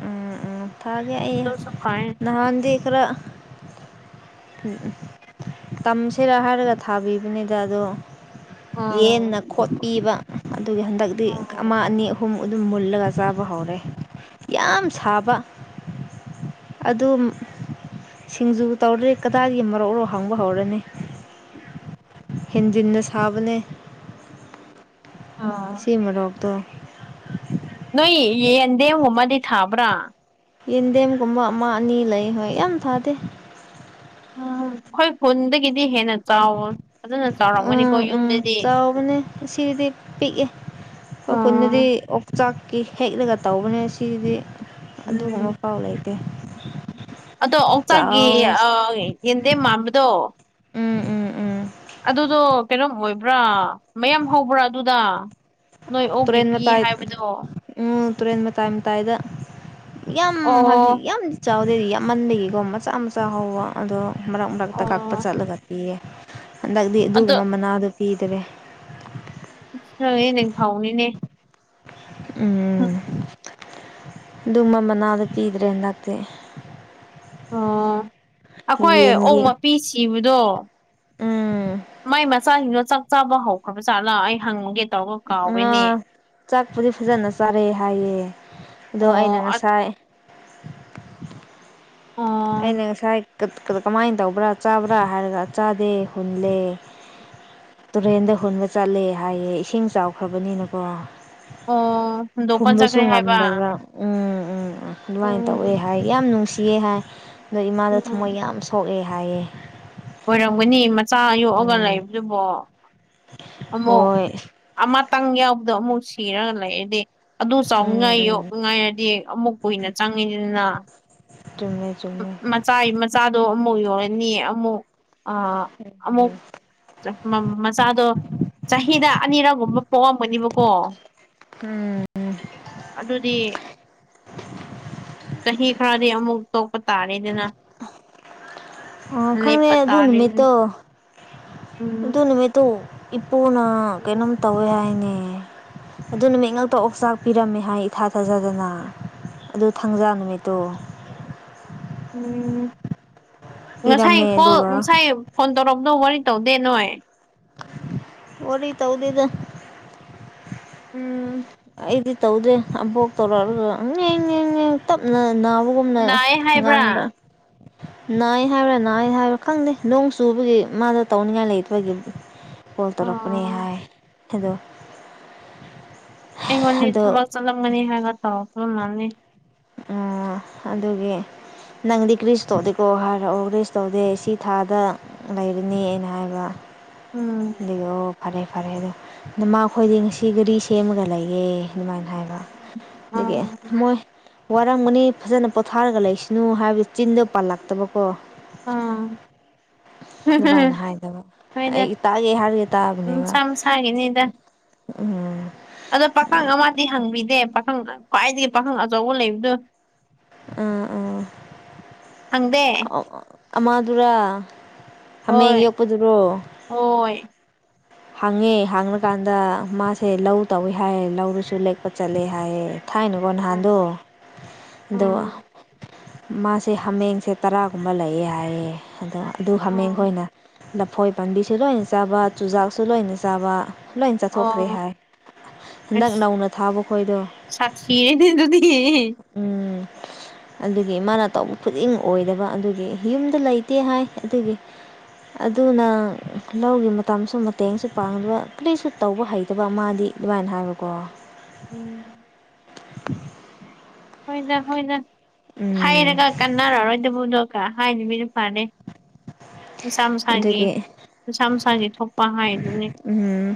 ꯎꯝ ꯎꯝ ꯊꯥꯒꯦ ꯑꯩ ꯑꯗꯨꯁꯨ ꯐꯩ ꯅꯍꯥꯟꯗꯤ ꯈꯔ ꯎꯝ ꯇꯝꯁꯤꯔ ꯍꯥꯏꯔꯒ ꯊꯥꯕꯤꯕꯅꯤꯗ ꯑꯗꯣ ꯎꯝ ꯌꯦꯟꯅ ꯈꯣꯠꯄꯤꯕ ꯑꯗꯨꯒꯤ ꯍꯟꯗꯛꯇꯤ ꯑꯃ ꯎꯝ ꯑꯅꯤ ꯑꯍꯨꯝ ꯑꯗꯨꯝ ꯃꯨꯜꯂꯒ ꯆꯥꯕ ꯍꯧꯔꯦ ꯌꯥꯝ ꯁꯥꯕ ꯑꯗꯨ ꯁꯤꯡꯖꯨ ꯇꯧꯔꯦ ꯀꯗꯥꯏꯗꯒꯤ ꯃꯔꯛꯔꯣ ꯍꯥꯡꯕ ꯍꯧꯔꯅꯤ ꯍꯦꯟꯖꯤꯟꯅ ꯁꯥꯕꯅꯦ ꯎꯝ ꯁꯤꯃꯔꯣꯛꯇꫭ ꯅꯣꯏ ꯌꯦꯟꯗꯦꯝꯒꯨꯝꯃꯗꯤ ꯊꯥꯕ꯭ꯔ ꯌꯦꯟꯗꯦꯝꯒꯨꯝꯕ ꯑꯃ ꯑꯅꯤ ꯂꯩ ꯍꯣꯏ ꯌꯥꯝ ꯊꯥꯗꯦ ꯎꯝ ꯈꫭꯏ ꯈꯨꯟꯗꯒꯤꯗꯤ ꯍꯦꯟꯅ ꯆꯥꯎꯋ ꯑꯗꯨꯅ ꯑꯗꯨꯅꯐꯖꯅꯕꯖ꯭ ꯆꯥꯎꯔꯝꯒꯅꯤꯀꯣ ꯌꯨꯝ ꯌꯥꯝ ꯆꯥꯎꯕꯅꯦ ꯁꯤꯗꯗꯤ ꯄꯤꯛꯑꯦ ꯑꯩꯈꯣꯏ ꯈꯨꯟꯗꯗꯤ ꯎꯝ ꯑꯣꯛꯆꯥꯛ ꯀꯤ ꯍꯦꯛꯂꯒ ꯇꯧꯕꯅꯦ ꯁꯤꯒꯤꯗꯤ ꯑꯗꯨꯒꯨꯝꯕ ꯎꯝ ꯄꯥꯎ ꯂꯩꯇꯦ ꯑꯗꯣ ꯑꯣꯛꯆꯥꯛꯒꯤ ꯆꯥꯎ ꯌꯦꯟꯗꯦꯝ ꯃꯥꯟꯕꯗꯣ ꯎꯝ ꯎꯝ ꯎꯝ ꯑꯗꯨꯗꯣ ꯀꯩꯅꯣꯝ ꯑꯣꯏꯕ꯭ꯔꯥ ꯃꯌꯥꯝ ꯍꯧꯕ꯭ꯔꯥ ꯑꯗꯨꯗ ꯅꯣꯏ ꯑꯣꯒꯤ ꯇꯨꯔꯦꯟ ꯄꯤ ꯃꯇꯥꯏ ꯍꯥꯏꯕꯗꯣ ꯎꯝ ꯇꯨꯔꯦꯟ ꯃꯇꯥꯏ ꯃꯇꯥꯏꯗ ꯌꯥꯝ ꯍꯥꯏꯕꯗꯤ ꯑꯣ ꯌꯥꯝꯗꯤ ꯆꯥꯎꯋ ꯑꯗꯨꯗꯩꯗꯤ ꯌꯥꯝꯃꯟꯗꯒꯤꯀꯣ ꯃꯆꯥ ꯃꯆꯥ ꯍꯧꯕ ꯑꯗꯣ ꯃꯔꯛ ꯃꯔꯛꯇ ꯀꯛꯄ ꯑꯣ ꯆꯠꯂꯒ ꯄꯤꯌꯦ ꯍꯟꯗꯛꯇꯤ ꯑꯗꯣ ꯑꯗꯨꯒꯨꯝꯕ ꯃꯅꯥꯗꯣ ꯄꯤꯗꯔꯦ ꯪꯉꯦ ꯅꯤꯡꯊꯧꯅꯤꯅꯦ ꯎꯝ ꯑꯗꯨ ꯃ ꯃꯅꯥꯗ ꯄꯤꯗ꯭ꯔꯦ ꯍꯟꯗꯛꯇꯤ ꯑꯣ ꯑꯩꯈꯣꯏ ꯑꯣꯛ ꯌꯦꯟꯒꯤ ꯃꯄꯤ ꯁꯤꯕꯗꯣ ꯎꯝ ꯃꯥꯏ ꯃꯆꯥꯁꯤꯡꯗꯣ ꯆꯥꯛ ꯆꯥꯕ ꯍꯧꯈ꯭ꯔꯕꯖꯥꯠꯂꯥ ꯑꯩ ꯍꯪꯉꯨꯒꯦ ꯇꯧꯔꯒ ꯀꯥꯎꯋꯦꯅꯦ ꯉꯥ ꯆꯥꯛꯄꯨꯗꯤ ꯐꯖꯅ ꯆꯥꯔꯦ ꯍꯥꯏꯌꯦ ꯑꯗꯣ ꯑꯩꯅ ꯑꯣ ꯑꯠ ꯉꯁꯥꯏ ꯑꯣ ꯑꯩꯅ ꯉꯁꯥꯏ ꯀꯃꯥꯏꯅ ꯇꯧꯕ꯭ꯔ ꯆꯥꯕ꯭ꯔ ꯍꯥꯏꯔꯒ ꯆꯥꯗꯦ ꯍꯨꯜꯂꯦ ꯇꯨꯔꯦꯟꯗ ꯍꯨꯟꯕ ꯆꯠꯂꯦ ꯍꯥꯏꯌꯦ ꯏꯁꯤꯡ ꯆꯥꯎꯈ꯭ꯔꯕꯅꯤꯅꯀꫭ ꯑꯣ ꯍꯨꯟꯗꯣꯛꯄ ꯐꯨꯝꯕꯁꯨ ꯆꯠꯈ꯭ꯔꯦ ꯍꯥꯏꯕ ꯉꯝꯗꯕ꯭ꯔꯥ ꯎꯝ ꯑꯗꯨꯃꯥꯏꯅ ꯇꯧꯋꯦ ꯎꯝ ꯍꯥꯏ ꯌꯥꯝ ꯅꯨꯡꯁꯤꯌꯦ ꯍꯥꯏ ꯑꯗꯣ ꯏꯃꯥꯗ ꯎꯝ ꯊꯃꯣꯏ ꯌꯥꯝ ꯁꯣꯛꯑꯦ ꯍꯥꯏꯌꯦ ꯑꯣꯏꯔꯝꯒꯅꯤ ꯃꯆꯥ ꯌꯣꯛꯑꯒ ꯎꯝ ꯂꯩꯕꯗꯨꯕꯣ ꯑꯃꯨꯛ ꯍꯣꯏ ꯑꯃꯇꯪ ꯌꯥꯎꯕꯗꯣ ꯑꯃꯨꯛ ꯁꯤꯔꯒ ꯂꯩꯔꯗꯤ ꯑꯗꯨ ꯎꯝ ꯆꯥꯎꯅꯤꯡꯉꯥꯏ ꯎꯝ ꯌꯣꯛꯅꯤꯡꯉꯥꯏꯔꯗꯤ ꯑꯃꯨꯛ ꯀꯨꯏꯅ ꯆꯪꯉꯤꯅꯤꯗꯅ ꯆꯨꯝꯃꯦ ꯆꯨꯝꯃꯦ ꯃꯆꯥ ꯃꯆꯥꯗꯣ ꯑꯃꯨꯛ ꯌꯧꯜꯔꯅꯤꯌꯦ ꯑꯃꯨꯛ ꯑꯃꯨꯛ ꯃꯆꯥꯗꯣ ꯆꯍꯤꯗ ꯑꯅꯤꯔꯒꯨꯝꯕ ꯄꯣꯛꯑꯝꯒꯅꯤꯕꯀꯣ ꯎꯝ ꯑꯗꯨꯗꯤ ꯆꯍꯤ ꯈꯔꯗꯤ ꯑꯃꯨꯛ ꯇꯣꯛꯄ ꯇꯥꯔꯦꯗꯅ ꯑ ꯈꯪꯉꯦ ꯂꯦꯞꯄ ꯑꯗꯨ ꯇꯥꯔꯦꯗꯅ ꯅꯨꯃꯤꯠꯇꯣ ꯎꯝ ꯑꯗꯨ ꯅꯨꯃꯤꯠꯇꯨ ꯏꯄꯨꯅ ꯀꯩꯅꯣꯝ ꯇꯧꯋꯦ ꯍꯥꯏꯅꯦ ꯑꯗꯨ ꯅꯨꯃꯤꯠ ꯉꯥꯛꯛꯇ ꯑꯣꯛꯆꯥꯛ ꯄꯤꯔꯝꯃꯦ ꯍꯥꯏ ꯏꯊꯥꯊꯥꯖꯗꯅ ꯑꯗꯨ ꯊꯥꯡꯖꯥ ꯅꯨꯃꯤꯠꯇꯣ ꯎꯝ ꯉꯁꯥꯏ ꯄꯤꯔꯝꯃꯦ ꯀꯣꯜ ꯑꯗꯨꯒ ꯉꯁꯥꯏ ꯐꯣꯟ ꯇꯧꯔꯕꯗꯣ ꯋꯥꯔꯤ ꯇꯧꯗꯦ ꯅꯣꯏ ꯋꯥꯔꯤꯔꯤ ꯇꯧꯗꯤꯗ ꯎꯝ ꯑꯩꯗꯤ ꯇꯧꯗꯦ ꯑꯕꯣꯛ ꯇꯧꯔꯛꯑꯒ ꯇꯞꯅꯅꯥ ꯄꯨꯨꯝꯅ ꯅꯥꯏ ꯍꯥꯏꯕ꯭ꯔꯥ ꯉꯥꯡꯗ ꯅꯥꯏ ꯍꯥꯏꯕ꯭ꯔꯥ ꯅꯥꯏ ꯍꯥꯏꯕ꯭ꯔꯥ ꯈꯪꯗꯦ ꯅꯣꯡ ꯆꯨꯕꯒꯤ ꯃꯥꯗ ꯇꯧꯅꯤꯡꯉꯥꯏ ꯂꯩꯇꯕꯒꯤ ꯀꯣꯜ ꯇꯔꯛꯄꯅꯦ ꯑꯣ ꯍꯥꯏꯥꯏ ꯑꯗꯣ ꯑꯩꯉꯣꯟꯗꯤ ꯑꯗꯣ ꯊꯕꯛ ꯆꯠꯂꯝꯒꯅꯤ ꯍꯥꯏꯔꯒ ꯇꯧꯔꯄꯃꯅꯤ ꯑꯣ ꯑꯗꯨꯒꯤ ꯅꯪꯗꯤ ꯀ꯭ꯔꯤꯁ ꯇꯧꯗꯦꯀꯣ ꯍꯥꯏꯔꯛꯑꯣ ꯒ꯭ꯔꯤꯁ ꯇꯧꯗꯦ ꯁꯤ ꯊꯥꯗ ꯂꯩꯔꯅꯤ ꯑꯩꯅ ꯍꯥꯏꯕ ꯎꯝ ꯑꯗꯨ ꯑꯣ ꯐꯔꯦ ꯐꯔꯦ ꯑꯗꯣ ꯑꯗꯃꯈꯣꯏꯗꯤ ꯉꯁꯤ ꯒꯥꯔꯤ ꯁꯦꯝꯃꯒ ꯂꯩꯌꯦꯦ ꯑꯗꯨꯃꯥꯏꯅ ꯍꯥꯏꯕ ꯑꯗꯒꯤ ꯑꯣ ꯃꯣꯏ ꯋꯥꯔꯝꯒꯅꯤ ꯐꯖꯅ ꯄꯣꯊꯥꯔꯒ ꯂꯩꯁꯅꯨ ꯍꯥꯏꯕꯗꯤ ꯆꯤꯟꯗꯣ ꯄꯥꯜꯂꯛꯇꯕꯀꯣ ꯑꯥ ꯑꯗꯨꯃꯥꯏꯅ ꯍꯥꯏꯗꯕ ꯑꯩ ꯇꯥꯛꯒꯦ ꯍꯥꯏꯔꯒꯦ ꯇꯥꯕꯅꯦꯕ ꯃꯁꯥ ꯃꯁꯥꯒꯤꯅꯤꯗ ꯎꯝ ꯑꯗꯣ ꯄꯥꯈꯪ ꯑꯃꯗꯤ ꯍꯪꯕꯤꯗꯦ ꯄꯥꯈꯪ ꯈ꯭ꯋꯥꯏꯗꯒꯤ ꯄꯥꯈꯪ ꯑꯆꯧꯕ ꯂꯩꯕꯗꯨꯣ ꯑꯥ ꯑꯥ ꯍꯪꯗꯦ ꯑꯃꯗꯨꯔꯥ ꯍꯥꯃꯦꯡ ꯍꯣꯏ ꯌꯣꯛꯄꯗꯨꯔꯣ ꯍꯣꯏ ꯍꯥꯡꯉꯦ ꯍꯥꯡꯉꯀꯥꯟꯗ ꯃꯥꯁꯦ ꯂꯧ ꯇꯧꯏꯦ ꯍꯥꯏꯌꯦ ꯂꯧꯗꯨꯁꯨ ꯂꯦꯛꯄ ꯆꯠꯂꯦ ꯍꯥꯏꯌꯦꯦ ꯊꯥꯏꯅꯀꯣ ꯎꯝ ꯅꯍꯥꯟꯗꯣ ꯑꯗꯣ ꯎꯝ ꯃꯥꯁꯦ ꯍꯥꯃꯦꯡꯁꯦ ꯇꯔꯥꯒꯨꯝꯕ ꯂꯩꯌꯦꯦ ꯍꯥꯏꯌꯦꯦ ꯑꯗꯣ ꯑꯗꯨ ꯍꯥꯃꯦꯡ ꯎꯝ ꯈꯣꯏꯅ ꯂꯐꯣꯏ ꯄꯥꯝꯕꯤꯁꯨ ꯂꯣꯏꯅ ꯆꯥꯕ ꯆꯨꯖꯥꯛꯁꯨ ꯂꯣꯏꯅ ꯆꯥꯕ ꯂꯣꯏ ꯆꯥꯊꯣꯛꯈ꯭ꯔꯦ ꯑꯣ ꯍꯥꯏ ꯍꯟꯗꯛ ꯑꯁ ꯅꯧꯅ ꯊꯥꯕ ꯈꯣꯏꯗꯣ ꯁꯥꯊꯤꯔꯦꯅꯦ ꯑꯗꯨꯗꯤ ꯎꯝ (unintelligible) ꯑꯗꯨꯒꯤ ꯃꯥꯅ ꯇꯧꯕ ꯈꯨꯗꯤꯡ ꯑꯣꯏꯗꯕ ꯑꯗꯨꯒꯤ ꯌꯨꯝꯗ ꯂꯩꯇꯦ ꯍꯥꯏ ꯑꯗꯨꯒꯤ ꯑꯗꯨꯅ ꯂꯧꯒꯤ ꯃꯇꯝꯁꯨ ꯦꯡꯁꯨ ꯄꯥꯡꯗꯕ ꯀꯂꯂꯤꯁꯨ ꯇꯧꯕ ꯍꯩꯇꯕ ꯑꯃꯗꯤꯗꯤ ꯑꯗꯨꯃꯥꯏꯅ ꯍꯥꯏꯕꯀꯣ ꯎꯝ (unintelligible) ꯍꯣꯏꯅ ꯍꯣꯏꯅ ꯎꯝ ꯍꯥꯏꯔꯒ ꯀꯟꯅꯔꯔꯣꯏꯗꯕꯗꯣ ꯍꯥꯏꯅꯤ ꯃꯤꯅ ꯐꯅꯤ ꯃꯩꯁꯥ ꯃꯁꯥꯒꯤ ꯑꯗꯨꯒꯤ ꯃꯩꯁꯥ ꯃꯅꯨꯡꯁꯥꯒꯤ ꯊꯣꯛꯄ ꯍꯥꯏꯗꯨꯅꯤ ꯎꯝ